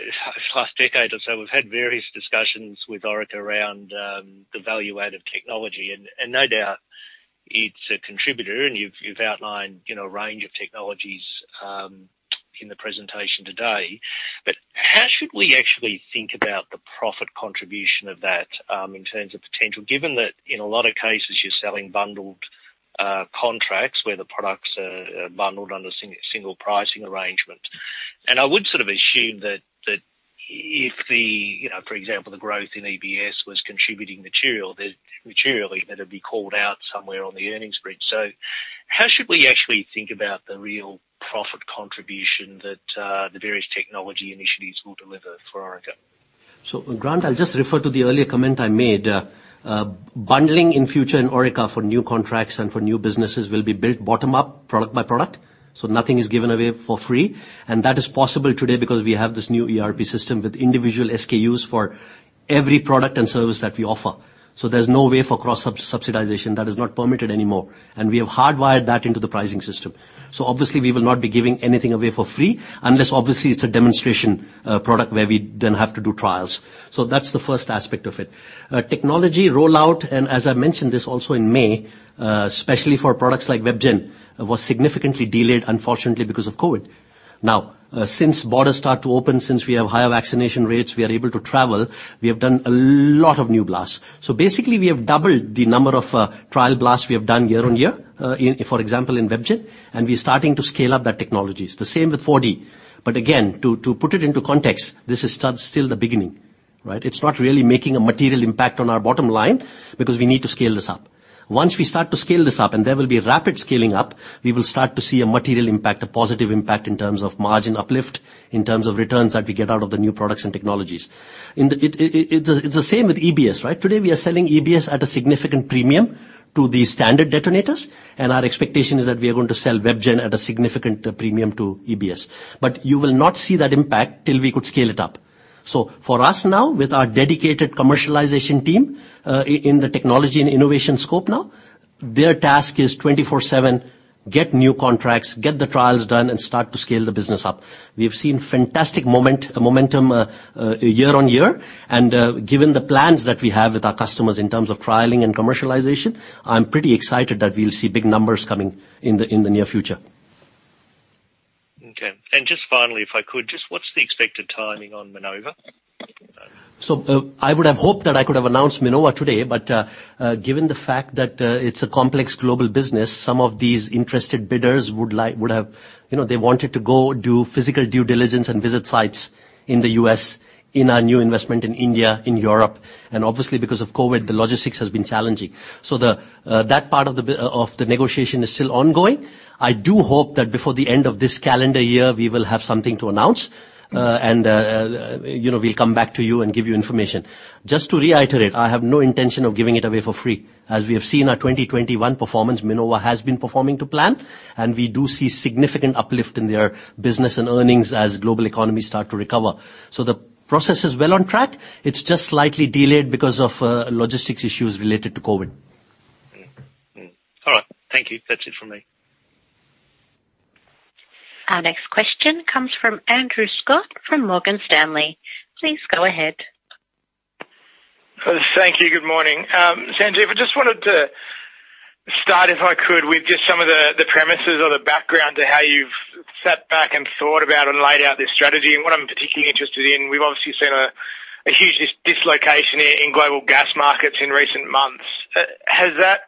last decade or so, we've had various discussions with Orica around the value add of technology, and no doubt it's a contributor and you've outlined a range of technologies in the presentation today. How should we actually think about the profit contribution of that in terms of potential, given that in a lot of cases you're selling bundled contracts where the products are bundled under single pricing arrangement. I would sort of assume that if the, for example, the growth in EBS was contributing materially, that it'd be called out somewhere on the earnings bridge. How should we actually think about the real profit contribution that the various technology initiatives will deliver for Orica? Grant, I'll just refer to the earlier comment I made. Bundling in future in Orica for new contracts and for new businesses will be built bottom up, product by product. Nothing is given away for free. That is possible today because we have this new ERP system with individual SKUs for every product and service that we offer. There's no way for cross subsidization. That is not permitted anymore. We have hardwired that into the pricing system. Obviously we will not be giving anything away for free unless obviously it's a demonstration product where we then have to do trials. That's the first aspect of it. Technology rollout, as I mentioned this also in May, especially for products like WebGen, was significantly delayed, unfortunately because of COVID. Since borders start to open, since we have higher vaccination rates, we are able to travel. We have done a lot of new blasts. Basically we have doubled the number of trial blasts we have done year-on-year, for example, in WebGen, and we're starting to scale up that technology. It's the same with 4D. Again, to put it into context, this is still the beginning. It's not really making a material impact on our bottom line because we need to scale this up. Once we start to scale this up, there will be rapid scaling up, we will start to see a material impact, a positive impact in terms of margin uplift, in terms of returns that we get out of the new products and technologies. It's the same with EBS. Today we are selling EBS at a significant premium to the standard detonators, our expectation is that we are going to sell WebGen at a significant premium to EBS. You will not see that impact till we could scale it up. For us now with our dedicated commercialization team, in the technology and innovation scope now, their task is 24/7, get new contracts, get the trials done, and start to scale the business up. We have seen fantastic momentum year-on-year, given the plans that we have with our customers in terms of trialing and commercialization, I'm pretty excited that we'll see big numbers coming in the near future. If I could, just what's the expected timing on Minova? I would have hoped that I could have announced Minova today, but given the fact that it's a complex global business, some of these interested bidders, they wanted to go do physical due diligence and visit sites in the U.S., in our new investment in India, in Europe, and obviously because of COVID, the logistics has been challenging. That part of the negotiation is still ongoing. I do hope that before the end of this calendar year, we will have something to announce, and we'll come back to you and give you information. Just to reiterate, I have no intention of giving it away for free. As we have seen our 2021 performance, Minova has been performing to plan, and we do see significant uplift in their business and earnings as global economies start to recover. The process is well on track. It's just slightly delayed because of logistics issues related to COVID. All right. Thank you. That's it from me. Our next question comes from Andrew Scott from Morgan Stanley. Please go ahead. Thank you. Good morning. Sanjeev, I just wanted to start, if I could, with just some of the premises or the background to how you've sat back and thought about and laid out this strategy. What I'm particularly interested in, we've obviously seen a huge dislocation in global gas markets in recent months. Has that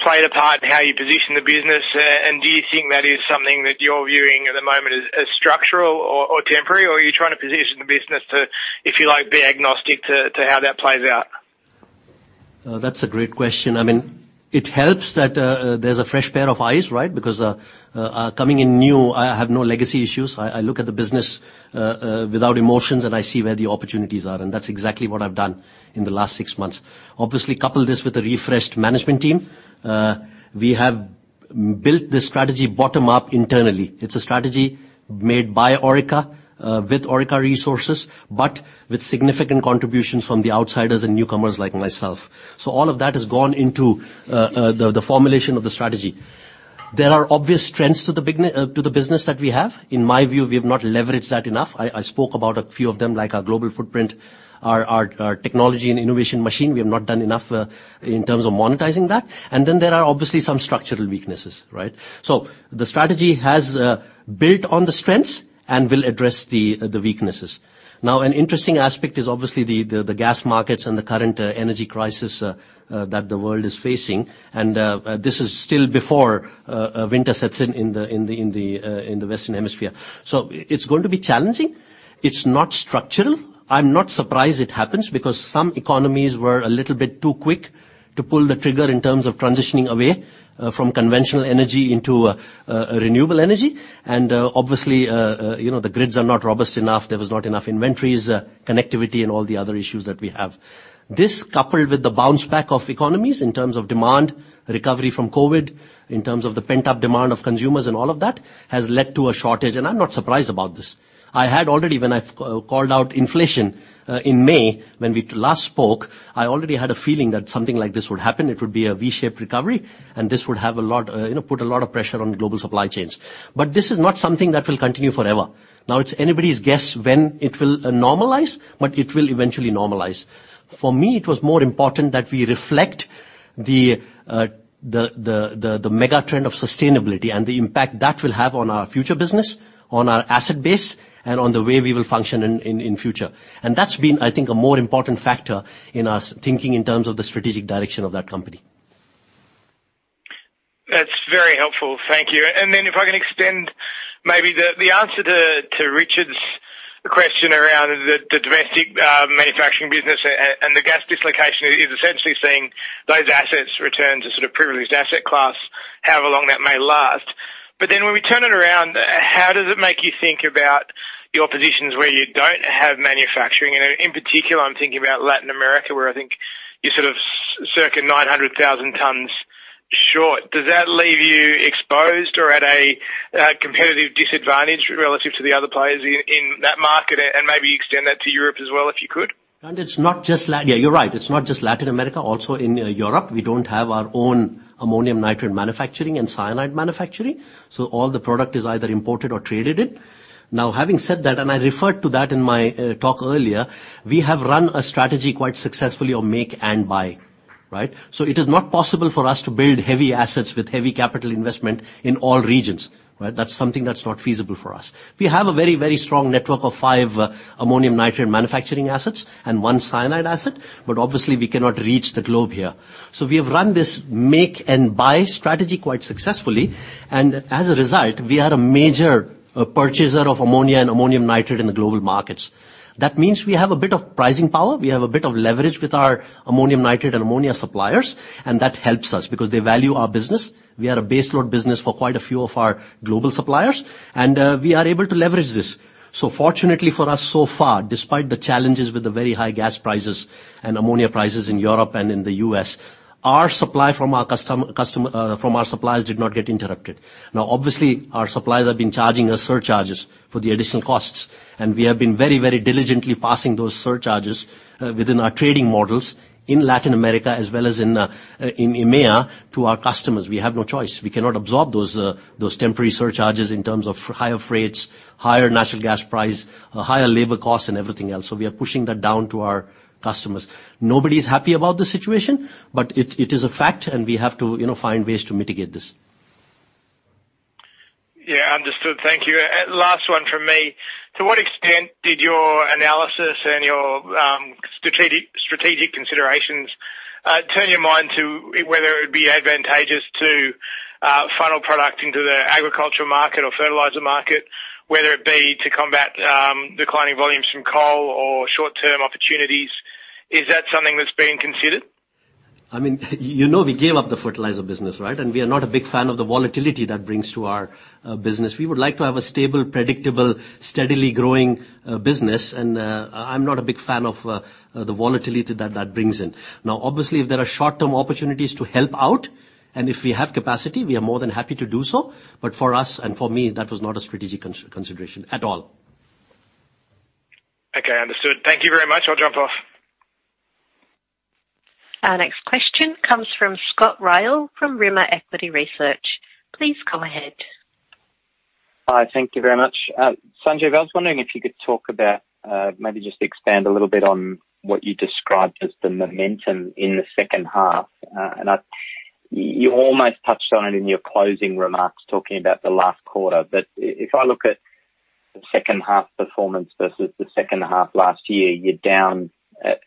played a part in how you position the business, and do you think that is something that you're viewing at the moment as structural or temporary, or are you trying to position the business to, if you like, be agnostic to how that plays out? That's a great question. It helps that there's a fresh pair of eyes, right? Coming in new, I have no legacy issues. I look at the business without emotions, and I see where the opportunities are, and that's exactly what I've done in the last six months. Couple this with a refreshed management team. We have built this strategy bottom up internally. It's a strategy made by Orica, with Orica resources, but with significant contributions from the outsiders and newcomers like myself. All of that has gone into the formulation of the strategy. There are obvious strengths to the business that we have. In my view, we have not leveraged that enough. I spoke about a few of them, like our global footprint, our technology and innovation machine. We have not done enough in terms of monetizing that. Then there are obviously some structural weaknesses, right? The strategy has built on the strengths and will address the weaknesses. An interesting aspect is obviously the gas markets and the current energy crisis that the world is facing, and this is still before winter sets in the Western Hemisphere. It's going to be challenging. It's not structural. I'm not surprised it happens, because some economies were a little bit too quick to pull the trigger in terms of transitioning away from conventional energy into renewable energy, and obviously, the grids are not robust enough, there was not enough inventories, connectivity, and all the other issues that we have. This, coupled with the bounce back of economies in terms of demand, recovery from COVID, in terms of the pent-up demand of consumers and all of that, has led to a shortage, and I'm not surprised about this. When I called out inflation in May when we last spoke, I already had a feeling that something like this would happen. It would be a V-shaped recovery, and this would put a lot of pressure on global supply chains. This is not something that will continue forever. It's anybody's guess when it will normalize, but it will eventually normalize. For me, it was more important that we reflect the mega trend of sustainability and the impact that will have on our future business, on our asset base, and on the way we will function in future. That's been, I think, a more important factor in us thinking in terms of the strategic direction of that company. That's very helpful. Thank you. If I can extend maybe the answer to Richard's question around the domestic manufacturing business and the gas dislocation is essentially seeing those assets return to sort of privileged asset class, however long that may last. When we turn it around, how does it make you think about your positions where you don't have manufacturing? In particular, I'm thinking about Latin America, where I think you're sort of circa 900,000 tons short. Does that leave you exposed or at a competitive disadvantage relative to the other players in that market? Maybe extend that to Europe as well, if you could. Yeah, you're right. It's not just Latin America. Also in Europe, we don't have our own ammonium nitrate manufacturing and cyanide manufacturing. All the product is either imported or traded in. Now, having said that, I referred to that in my talk earlier, we have run a strategy quite successfully of make and buy. Right? It is not possible for us to build heavy assets with heavy capital investment in all regions. That's something that's not feasible for us. We have a very, very strong network of five ammonium nitrate manufacturing assets and one cyanide asset, but obviously we cannot reach the globe here. We have run this make and buy strategy quite successfully, as a result, we are a major purchaser of ammonia and ammonium nitrate in the global markets. That means we have a bit of pricing power. We have a bit of leverage with our ammonium nitrate and ammonia suppliers, that helps us because they value our business. We are a baseload business for quite a few of our global suppliers, we are able to leverage this. Fortunately for us so far, despite the challenges with the very high gas prices and ammonia prices in Europe and in the U.S., our supply from our suppliers did not get interrupted. Now, obviously, our suppliers have been charging us surcharges for the additional costs, we have been very, very diligently passing those surcharges within our trading models in Latin America as well as in EMEA to our customers. We have no choice. We cannot absorb those temporary surcharges in terms of higher freights, higher natural gas price, higher labor costs, everything else. We are pushing that down to our customers. Nobody is happy about this situation, it is a fact, we have to find ways to mitigate this. Yeah. Understood. Thank you. Last one from me. To what extent did your analysis and your strategic considerations turn your mind to whether it would be advantageous to funnel product into the agricultural market or fertilizer market, whether it be to combat declining volumes from coal or short-term opportunities? Is that something that's being considered? We gave up the fertilizer business, right? We are not a big fan of the volatility that brings to our business. We would like to have a stable, predictable, steadily growing business, and I'm not a big fan of the volatility that brings in. Now, obviously, if there are short-term opportunities to help out, and if we have capacity, we are more than happy to do so. For us and for me, that was not a strategic consideration at all. Okay. Understood. Thank you very much. I'll jump off. Our next question comes from Scott Ryall from Rimor Equity Research. Please go ahead. Hi. Thank you very much. Sanjeev, I was wondering if you could talk about, maybe just expand a little bit on what you described as the momentum in the second half. You almost touched on it in your closing remarks talking about the last quarter. If I look at the second half performance versus the second half last year, you're down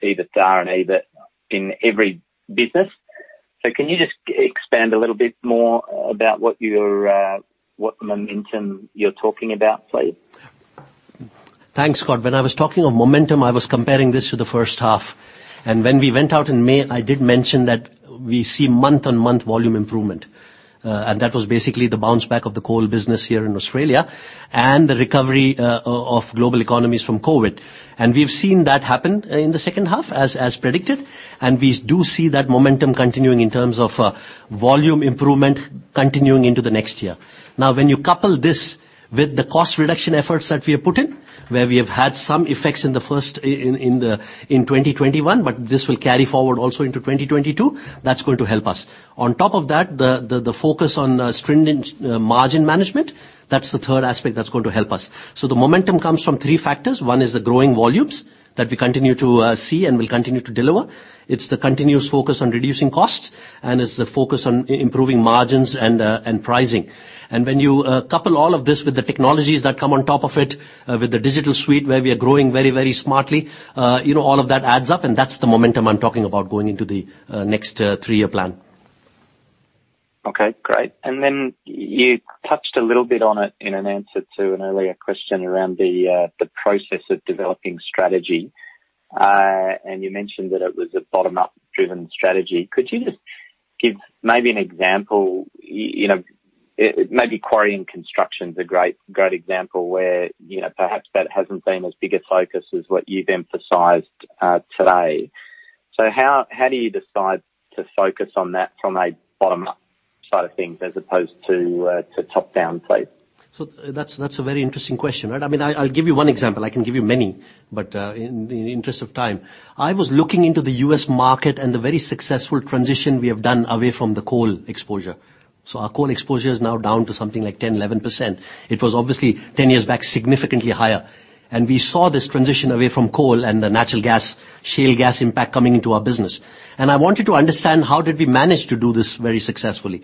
EBITDA and EBIT in every business. Can you just expand a little bit more about what momentum you're talking about, please? Thanks, Scott. When I was talking of momentum, I was comparing this to the first half. When we went out in May, I did mention that we see month-on-month volume improvement. That was basically the bounce back of the coal business here in Australia and the recovery of global economies from COVID. We've seen that happen in the second half as predicted. We do see that momentum continuing in terms of volume improvement continuing into the next year. When you couple this with the cost reduction efforts that we have put in, where we have had some effects in 2021, this will carry forward also into 2022, that's going to help us. On top of that, the focus on stringent margin management, that's the third aspect that's going to help us. The momentum comes from three factors. One is the growing volumes that we continue to see and will continue to deliver. It's the continuous focus on reducing costs, and it's the focus on improving margins and pricing. When you couple all of this with the technologies that come on top of it, with the digital suite where we are growing very smartly, all of that adds up, and that's the momentum I'm talking about going into the next three-year plan. Okay. Great. You touched a little bit on it in an answer to an earlier question around the process of developing strategy. You mentioned that it was a bottom-up driven strategy. Could you just give maybe an example, maybe Quarrying and Construction's a great example where perhaps that hasn't been as big a focus as what you've emphasized today. How do you decide to focus on that from a bottom-up side of things as opposed to top-down, please? That's a very interesting question, right? I'll give you one example. I can give you many, but in the interest of time. I was looking into the U.S. market and the very successful transition we have done away from the coal exposure. Our coal exposure is now down to something like 10, 11%. It was obviously 10 years back, significantly higher. We saw this transition away from coal and the natural gas, shale gas impact coming into our business. I wanted to understand how did we manage to do this very successfully.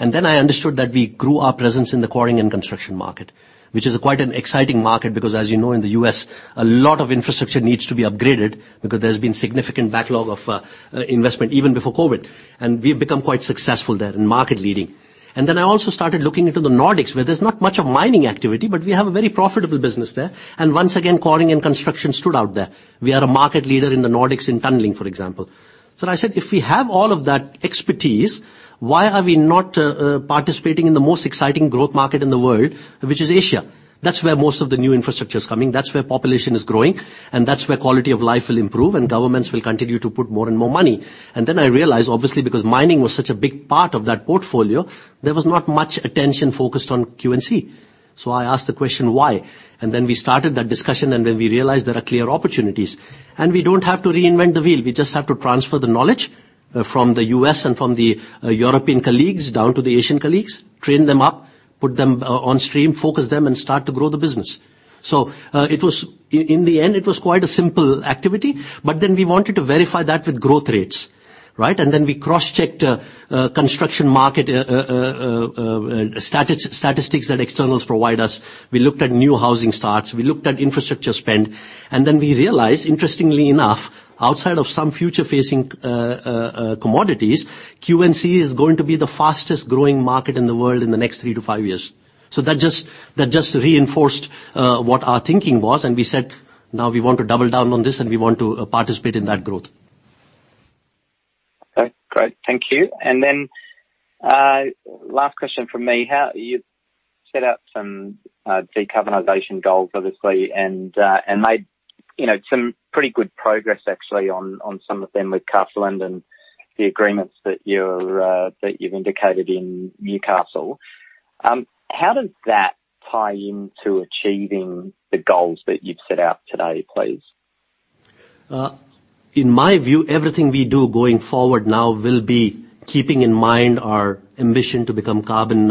I understood that we grew our presence in the Quarrying and Construction market, which is quite an exciting market because as you know, in the U.S., a lot of infrastructure needs to be upgraded because there's been significant backlog of investment even before COVID-19, and we've become quite successful there and market leading. I also started looking into the Nordics, where there's not much of mining activity, but we have a very profitable business there. Once again, Quarrying and Construction stood out there. We are a market leader in the Nordics in tunneling, for example. I said, if we have all of that expertise, why are we not participating in the most exciting growth market in the world, which is Asia? That's where most of the new infrastructure is coming, that's where population is growing, and that's where quality of life will improve, and governments will continue to put more and more money. I realized, obviously, because mining was such a big part of that portfolio, there was not much attention focused on Q&C. I asked the question, why? We started that discussion, and then we realized there are clear opportunities. We don't have to reinvent the wheel. We just have to transfer the knowledge from the U.S. and from the European colleagues down to the Asian colleagues, train them up, put them on stream, focus them, and start to grow the business. In the end, it was quite a simple activity, but then we wanted to verify that with growth rates. Right? We cross-checked construction market statistics that externals provide us. We looked at new housing starts. We looked at infrastructure spend. We realized, interestingly enough, outside of some future-facing commodities, Q&C is going to be the fastest-growing market in the world in the next three to five years. That just reinforced what our thinking was, and we said, now we want to double down on this and we want to participate in that growth. Okay. Great. Thank you. Last question from me. You set out some decarbonization goals, obviously, and made some pretty good progress actually on some of them with Carseland and the agreements that you've indicated in Newcastle. How does that tie into achieving the goals that you've set out today, please? In my view, everything we do going forward now will be keeping in mind our ambition to become carbon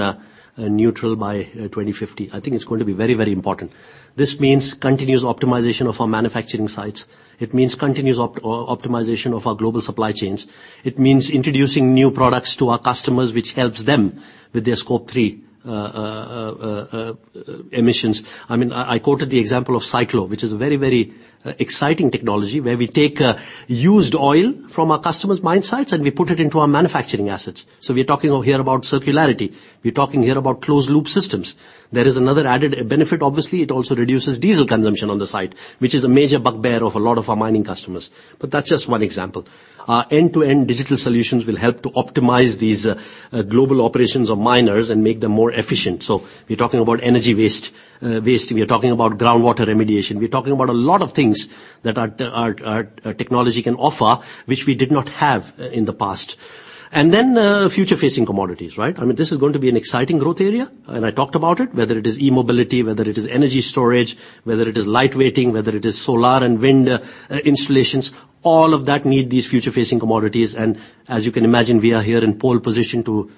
neutral by 2050. I think it's going to be very important. This means continuous optimization of our manufacturing sites. It means continuous optimization of our global supply chains. It means introducing new products to our customers, which helps them with their Scope 3 emissions. I quoted the example of Cyclo, which is a very exciting technology where we take used oil from our customers' mine sites, and we put it into our manufacturing assets. We're talking here about circularity. We're talking here about closed-loop systems. There is another added benefit, obviously, it also reduces diesel consumption on the site, which is a major bugbear of a lot of our mining customers. That's just one example. Our end-to-end digital solutions will help to optimize these global operations of miners and make them more efficient. We're talking about energy waste. We are talking about groundwater remediation. We're talking about a lot of things that our technology can offer, which we did not have in the past. Future-facing commodities. This is going to be an exciting growth area, and I talked about it, whether it is e-mobility, whether it is energy storage, whether it is lightweighting, whether it is solar and wind installations, all of that need these future-facing commodities. As you can imagine, we are here in pole position to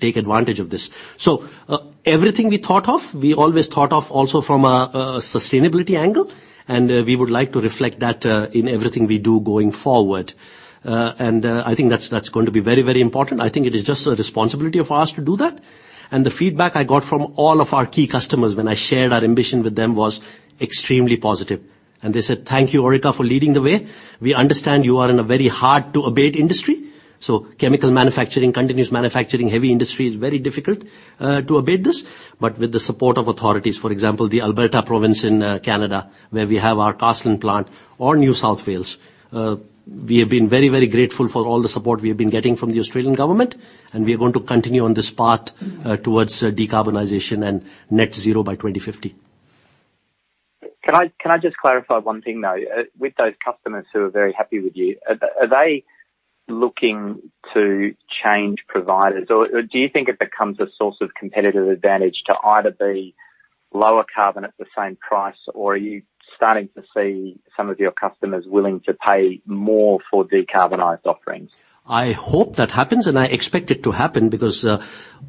take advantage of this. Everything we thought of, we always thought of also from a sustainability angle, and we would like to reflect that in everything we do going forward. I think that's going to be very important. I think it is just a responsibility of ours to do that. The feedback I got from all of our key customers when I shared our ambition with them was extremely positive. They said, "Thank you, Orica, for leading the way. We understand you are in a very hard-to-abate industry." Chemical manufacturing, continuous manufacturing, heavy industry is very difficult to abate this. With the support of authorities, for example, the Alberta province in Canada, where we have our Carseland plant or New South Wales. We have been very grateful for all the support we have been getting from the Australian government, and we are going to continue on this path towards decarbonization and net zero by 2050. Can I just clarify one thing, though? With those customers who are very happy with you, are they looking to change providers? Do you think it becomes a source of competitive advantage to either be lower carbon at the same price, or are you starting to see some of your customers willing to pay more for decarbonized offerings? I hope that happens. I expect it to happen because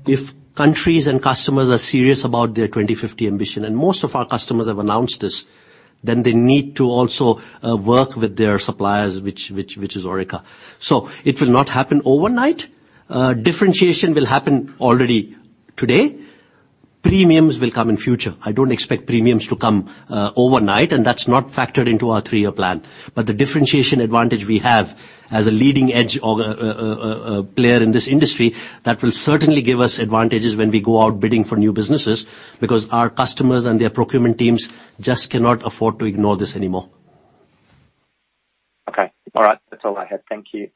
if countries and customers are serious about their 2050 ambition, most of our customers have announced this. They need to also work with their suppliers, which is Orica. It will not happen overnight. Differentiation will happen already today. Premiums will come in future. I don't expect premiums to come overnight, that's not factored into our three-year plan. The differentiation advantage we have as a leading-edge player in this industry, that will certainly give us advantages when we go out bidding for new businesses because our customers and their procurement teams just cannot afford to ignore this anymore. Okay. All right. That's all I had. Thank you.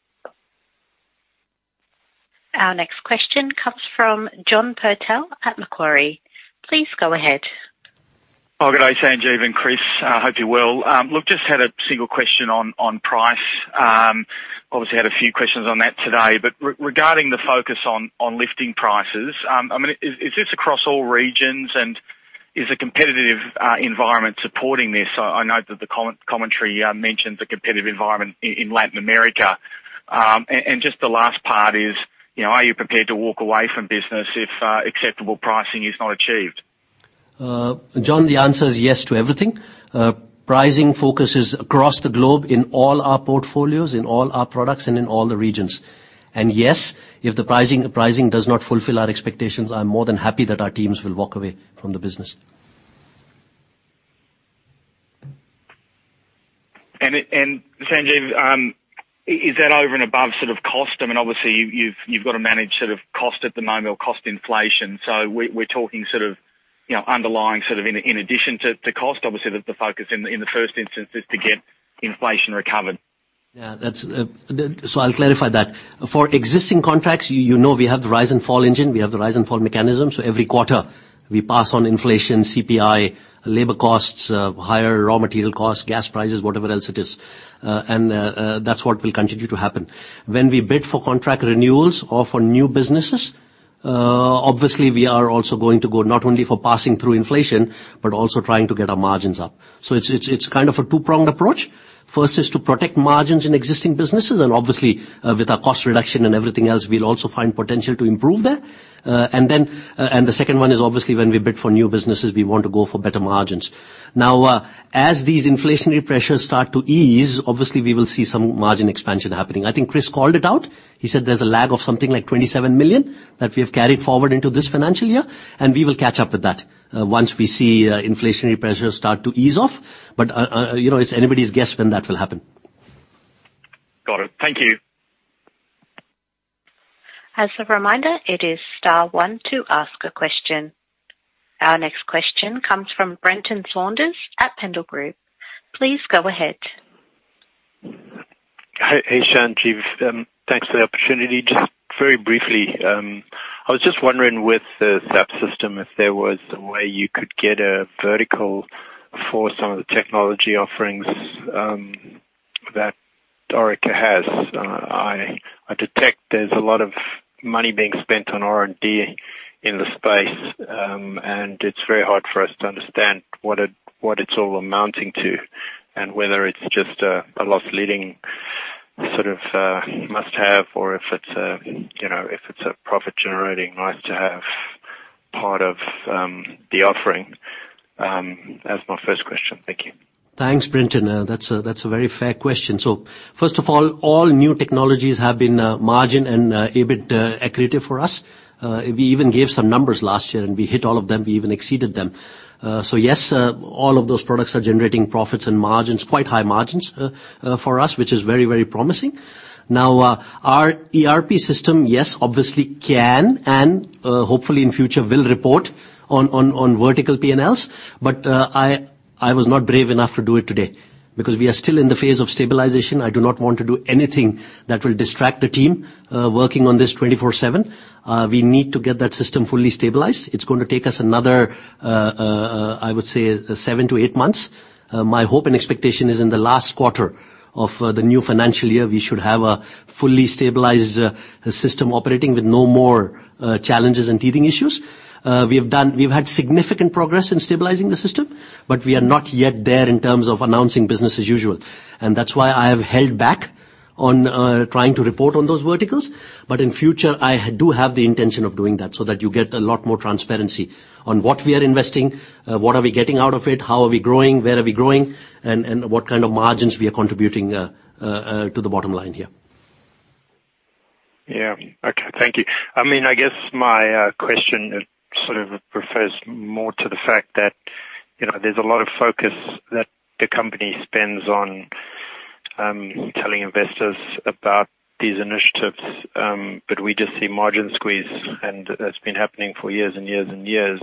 Our next question comes from John Purtell at Macquarie. Please go ahead. Good day, Sanjeev and Chris. Hope you're well. Just had a single question on price. Obviously had a few questions on that today, but regarding the focus on lifting prices, is this across all regions, and is the competitive environment supporting this? I know that the commentary mentions a competitive environment in Latin America. Just the last part is, are you prepared to walk away from business if acceptable pricing is not achieved? John, the answer is yes to everything. Pricing focus is across the globe in all our portfolios, in all our products, and in all the regions. Yes, if the pricing does not fulfill our expectations, I'm more than happy that our teams will walk away from the business. Sanjeev, is that over and above cost? Obviously, you've got to manage cost at the moment or cost inflation. We're talking underlying in addition to cost. Obviously, the focus in the first instance is to get inflation recovered. I'll clarify that. For existing contracts, you know we have the rise and fall engine, we have the rise and fall mechanism. Every quarter we pass on inflation, CPI, labor costs, higher raw material costs, gas prices, whatever else it is. That's what will continue to happen. When we bid for contract renewals or for new businesses, obviously we are also going to go not only for passing through inflation but also trying to get our margins up. It's kind of a two-pronged approach. First is to protect margins in existing businesses, and obviously, with our cost reduction and everything else, we'll also find potential to improve that. The second one is obviously when we bid for new businesses, we want to go for better margins. As these inflationary pressures start to ease, obviously we will see some margin expansion happening. I think Chris called it out. He said there's a lag of something like 27 million that we have carried forward into this financial year. We will catch up with that once we see inflationary pressures start to ease off. It's anybody's guess when that will happen. Got it. Thank you. As a reminder, it is star one to ask a question. Our next question comes from Brenton Saunders at Pendal Group. Please go ahead. Hey, Sanjeev. Thanks for the opportunity. Just very briefly, I was just wondering with the SAP system if there was a way you could get a vertical for some of the technology offerings that Orica has. I detect there's a lot of money being spent on R&D in the space. It's very hard for us to understand what it's all amounting to, whether it's just a loss-leading sort of must-have, or if it's a profit-generating nice-to-have part of the offering. That's my first question. Thank you. Thanks, Brenton. That's a very fair question. First of all new technologies have been margin and EBIT accretive for us. We even gave some numbers last year. We hit all of them. We even exceeded them. Yes, all of those products are generating profits and margins, quite high margins for us, which is very promising. Our ERP system, yes, obviously can, and hopefully in future will report on vertical P&Ls, but I was not brave enough to do it today. We are still in the phase of stabilization. I do not want to do anything that will distract the team working on this 24/7. We need to get that system fully stabilized. It's going to take us another, I would say, seven to eight months. My hope and expectation is in the last quarter of the new financial year, we should have a fully stabilized system operating with no more challenges and teething issues. We've had significant progress in stabilizing the system, but we are not yet there in terms of announcing business as usual. That's why I have held back on trying to report on those verticals. In future, I do have the intention of doing that so that you get a lot more transparency on what we are investing, what are we getting out of it, how are we growing, where are we growing, and what kind of margins we are contributing to the bottom line here. Yeah. Okay. Thank you. I guess my question sort of refers more to the fact that there's a lot of focus that the company spends on telling investors about these initiatives, but we just see margin squeeze. That's been happening for years and years and years.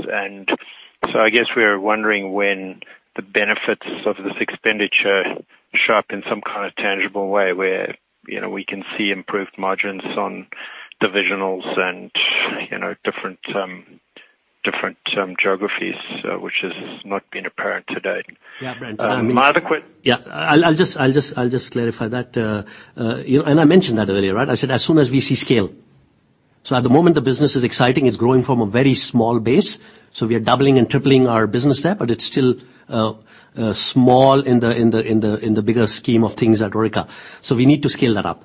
I guess we are wondering when the benefits of this expenditure show up in some kind of tangible way where we can see improved margins on divisionals and different geographies, which has not been apparent to date. Yeah, Brenton. Am I adequate? Yeah. I'll just clarify that. I mentioned that earlier, right? I said, as soon as we see scale. At the moment, the business is exciting. It's growing from a very small base. We are doubling and tripling our business there, but it's still small in the bigger scheme of things at Orica. We need to scale that up.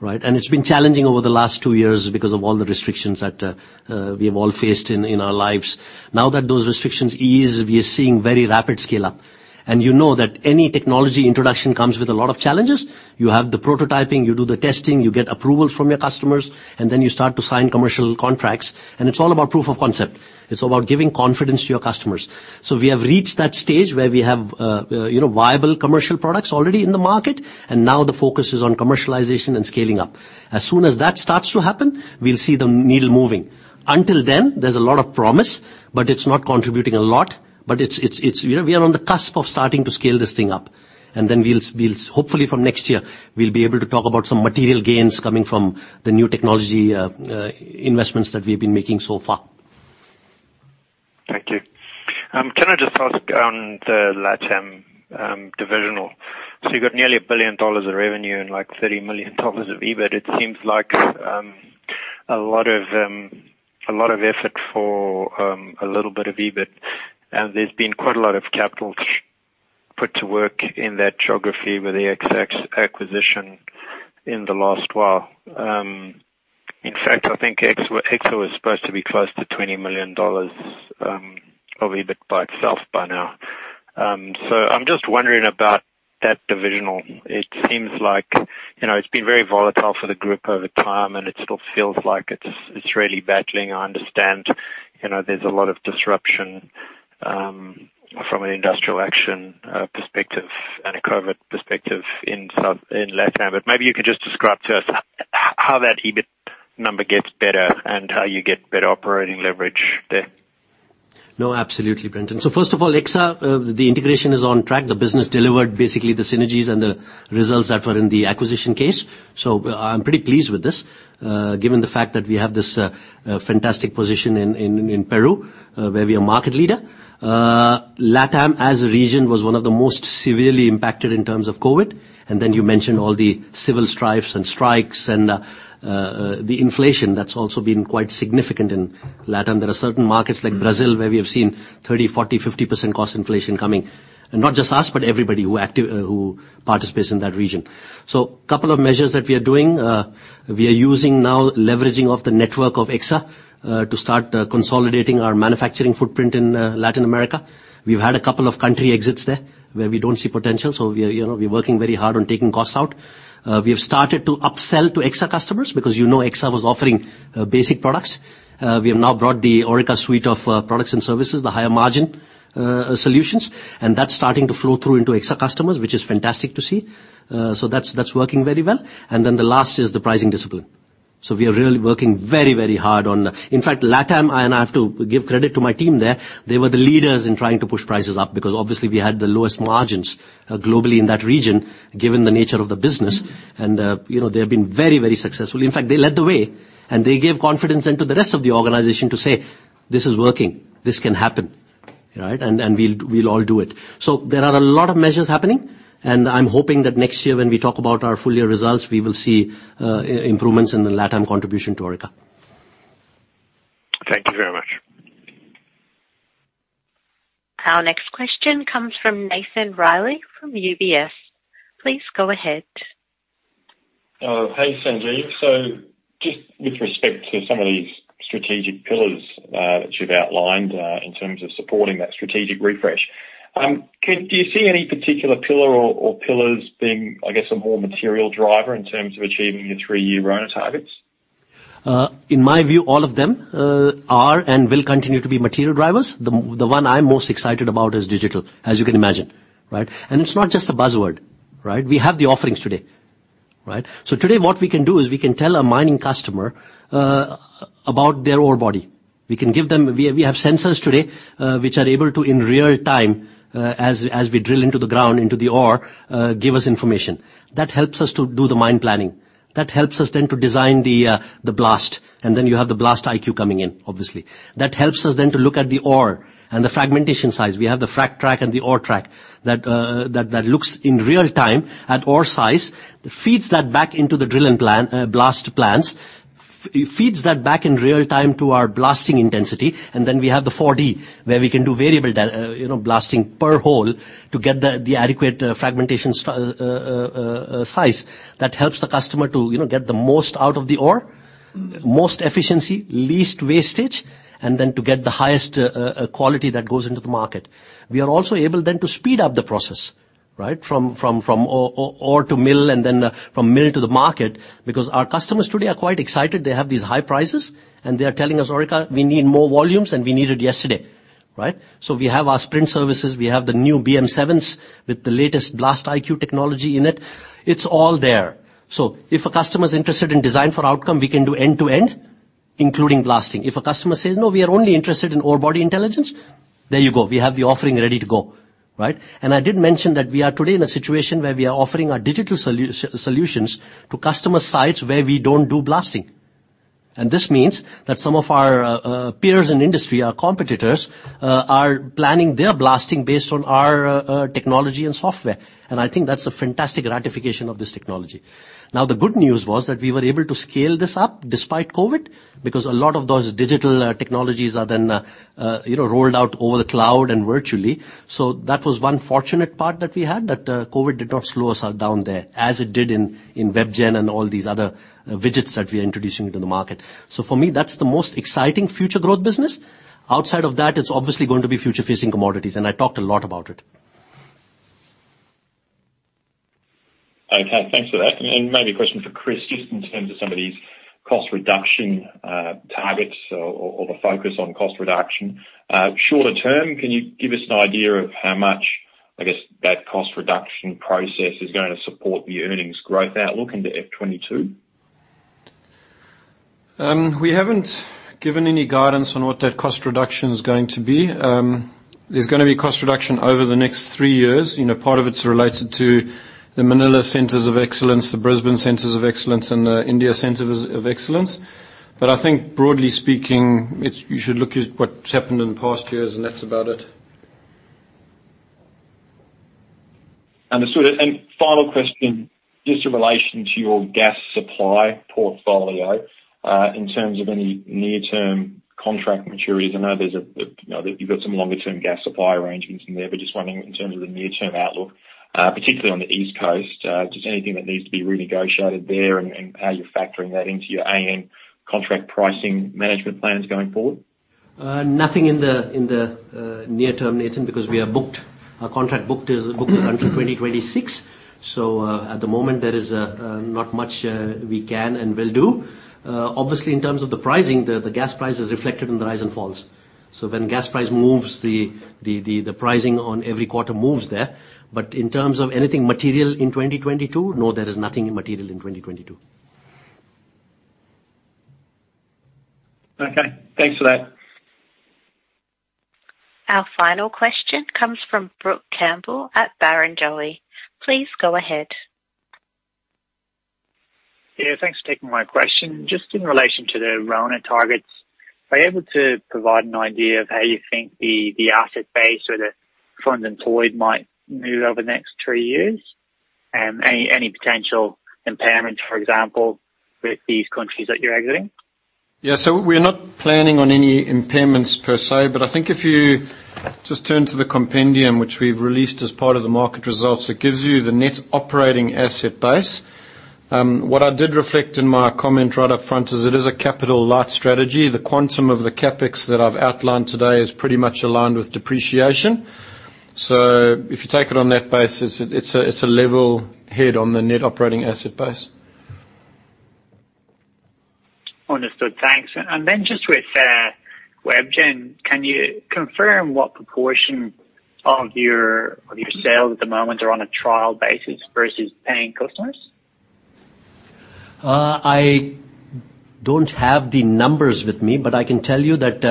Right? It's been challenging over the last two years because of all the restrictions that we have all faced in our lives. Now that those restrictions ease, we are seeing very rapid scale-up. You know that any technology introduction comes with a lot of challenges. You have the prototyping, you do the testing, you get approvals from your customers, and then you start to sign commercial contracts, and it's all about proof of concept. It's about giving confidence to your customers. We have reached that stage where we have viable commercial products already in the market, and now the focus is on commercialization and scaling up. As soon as that starts to happen, we'll see the needle moving. Until then, there's a lot of promise, but it's not contributing a lot. We are on the cusp of starting to scale this thing up. Then we'll, hopefully from next year, we'll be able to talk about some material gains coming from the new technology investments that we've been making so far. Thank you. Can I just ask on the LATAM divisional? You've got nearly 1 billion dollars of revenue and like 30 million dollars of EBIT. It seems like a lot of effort for a little bit of EBIT. There's been quite a lot of capital put to work in that geography with the Exsa acquisition in the last while. In fact, I think Exsa was supposed to be close to 20 million dollars of EBIT by itself by now. I'm just wondering about that divisional. It seems like it's been very volatile for the group over time, and it still feels like it's really battling. I understand there's a lot of disruption from an industrial action perspective and a COVID-19 perspective in LATAM. Maybe you could just describe to us how that EBIT number gets better and how you get better operating leverage there. No, absolutely, Brenton. First of all, Exsa, the integration is on track. The business delivered basically the synergies and the results that were in the acquisition case. I'm pretty pleased with this, given the fact that we have this fantastic position in Peru, where we are market leader. LATAM, as a region, was one of the most severely impacted in terms of COVID-19. You mentioned all the civil strifes and strikes and the inflation that's also been quite significant in LATAM. There are certain markets like Brazil, where we have seen 30%, 40%, 50% cost inflation coming. Not just us, but everybody who participates in that region. Couple of measures that we are doing. We are using now leveraging of the network of Exsa to start consolidating our manufacturing footprint in Latin America. We've had a couple of country exits there where we don't see potential. We're working very hard on taking costs out. We have started to upsell to Exsa customers because you know Exsa was offering basic products. We have now brought the Orica suite of products and services, the higher margin solutions, and that's starting to flow through into Exsa customers, which is fantastic to see. That's working very well. The last is the pricing discipline. We are really working very hard. In fact, LATAM, and I have to give credit to my team there, they were the leaders in trying to push prices up because obviously we had the lowest margins globally in that region, given the nature of the business. They have been very successful. In fact, they led the way, and they gave confidence then to the rest of the organization to say, "This is working. This can happen." Right? We'll all do it. There are a lot of measures happening, and I'm hoping that next year when we talk about our full year results, we will see improvements in the LATAM contribution to Orica. Thank you very much. Our next question comes from Nathan Reilly from UBS. Please go ahead. Hey, Sanjeev. Just with respect to some of these strategic pillars that you've outlined, in terms of supporting that strategic refresh. Do you see any particular pillar or pillars being, I guess, a more material driver in terms of achieving your three-year RONA targets? In my view, all of them are and will continue to be material drivers. The one I'm most excited about is digital, as you can imagine. Right? It's not just a buzzword. We have the offerings today. Today what we can do is we can tell a mining customer about their orebody. We have sensors today, which are able to, in real time, as we drill into the ground, into the ore, give us information. That helps us to do the mine planning. That helps us then to design the blast, and then you have the BlastIQ coming in, obviously. That helps us then to look at the ore and the fragmentation size. We have the FRAGTrack and the ORETrack. That looks in real time at ore size. It feeds that back into the drill and blast plans. It feeds that back in real time to our blasting intensity. We have the 4D, where we can do variable data, blasting per hole to get the adequate fragmentation size that helps the customer to get the most out of the ore, most efficiency, least wastage, to get the highest quality that goes into the market. We are also able to speed up the process. From ore to mill. From mill to the market, our customers today are quite excited. They have these high prices, and they are telling us, "Orica, we need more volumes, and we need it yesterday." We have our sprint services. We have the new BM7s with the latest BlastIQ technology in it. It's all there. If a customer is interested in design for outcome, we can do end-to-end, including blasting. If a customer says, "No, we are only interested in orebody intelligence," there you go. We have the offering ready to go. I did mention that we are today in a situation where we are offering our digital solutions to customer sites where we don't do blasting. This means that some of our peers in the industry, our competitors, are planning their blasting based on our technology and software. I think that's a fantastic ratification of this technology. The good news was that we were able to scale this up despite COVID, a lot of those digital technologies are then rolled out over the cloud and virtually. That was one fortunate part that we had, that COVID did not slow us down there as it did in WebGen and all these other widgets that we are introducing into the market. For me, that's the most exciting future growth business. Outside of that, it's obviously going to be future-facing commodities. I talked a lot about it. Okay, thanks for that. Maybe a question for Chris, just in terms of some of these cost reduction targets or the focus on cost reduction. Shorter term, can you give us an idea of how much, I guess, that cost reduction process is going to support the earnings growth outlook into FY 2022? We haven't given any guidance on what that cost reduction is going to be. There's going to be cost reduction over the next three years. Part of it's related to the Manila Centers of Excellence, the Brisbane Centers of Excellence, and the India Centers of Excellence. I think broadly speaking, you should look at what's happened in past years, and that's about it. Understood. Final question, just in relation to your gas supply portfolio, in terms of any near-term contract maturities. I know you've got some longer-term gas supply arrangements in there, just wondering in terms of the near-term outlook, particularly on the East Coast. Just anything that needs to be renegotiated there and how you're factoring that into your AN contract pricing management plans going forward? Nothing in the near term, Nathan, because our contract is booked until 2026. At the moment, there is not much we can and will do. Obviously, in terms of the pricing, the gas price is reflected in the rise and falls. When gas price moves, the pricing on every quarter moves there. In terms of anything material in 2022, no, there is nothing material in 2022. Okay, thanks for that. Our final question comes from Brook Campbell-Crawford at Barrenjoey. Please go ahead. Yeah, thanks for taking my question. Just in relation to the RONA targets, are you able to provide an idea of how you think the asset base or the funds employed might move over the next three years? Any potential impairments, for example, with these countries that you're exiting? Yeah. We're not planning on any impairments per se. I think if you just turn to the compendium, which we've released as part of the market results, it gives you the net operating asset base. What I did reflect in my comment right up front is it is a capital light strategy. The quantum of the CapEx that I've outlined today is pretty much aligned with depreciation. If you take it on that basis, it's a level head on the net operating asset base. Understood. Thanks. Then just with WebGen, can you confirm what proportion of your sales at the moment are on a trial basis versus paying customers? I don't have the numbers with me, but I can tell you that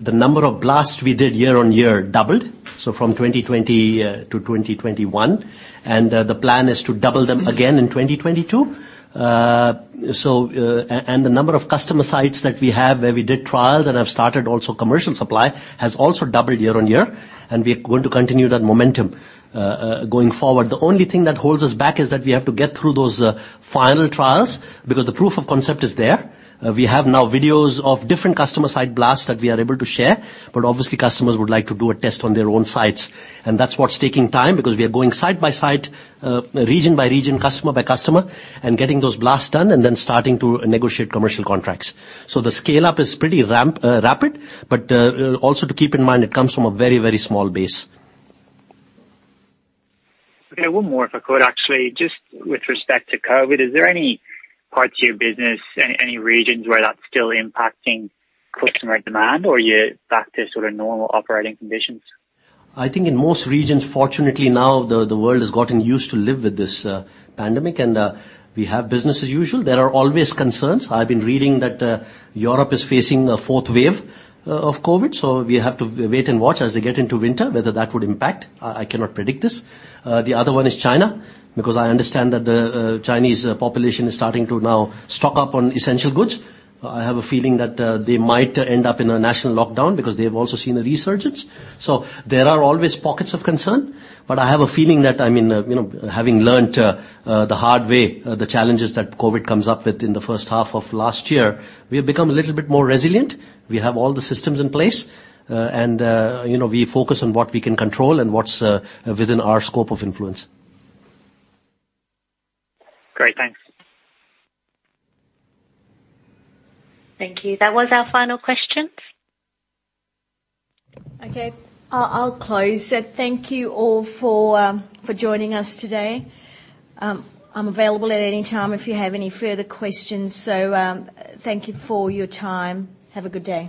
the number of blasts we did year-on-year doubled. From 2020 to 2021. The plan is to double them again in 2022. The number of customer sites that we have, where we did trials and have started also commercial supply, has also doubled year-on-year, and we are going to continue that momentum going forward. The only thing that holds us back is that we have to get through those final trials, because the proof of concept is there. We have now videos of different customer site blasts that we are able to share. Obviously, customers would like to do a test on their own sites, and that's what's taking time, because we are going site by site, region by region, customer by customer, and getting those blasts done, and then starting to negotiate commercial contracts. The scale-up is pretty rapid, but also to keep in mind, it comes from a very, very small base. Okay. One more if I could, actually. Just with respect to COVID, is there any parts of your business, any regions where that's still impacting customer demand, or are you back to sort of normal operating conditions? I think in most regions, fortunately now, the world has gotten used to live with this pandemic, and we have business as usual. There are always concerns. I've been reading that Europe is facing a fourth wave of COVID. We have to wait and watch as they get into winter, whether that would impact. I cannot predict this. The other one is China, because I understand that the Chinese population is starting to now stock up on essential goods. I have a feeling that they might end up in a national lockdown because they have also seen a resurgence. There are always pockets of concern. I have a feeling that, having learnt the hard way, the challenges that COVID comes up with in the first half of last year, we have become a little bit more resilient. We have all the systems in place, and we focus on what we can control and what's within our scope of influence. Great. Thanks. Thank you. That was our final question. Okay. I'll close. Thank you all for joining us today. I'm available at any time if you have any further questions. Thank you for your time. Have a good day.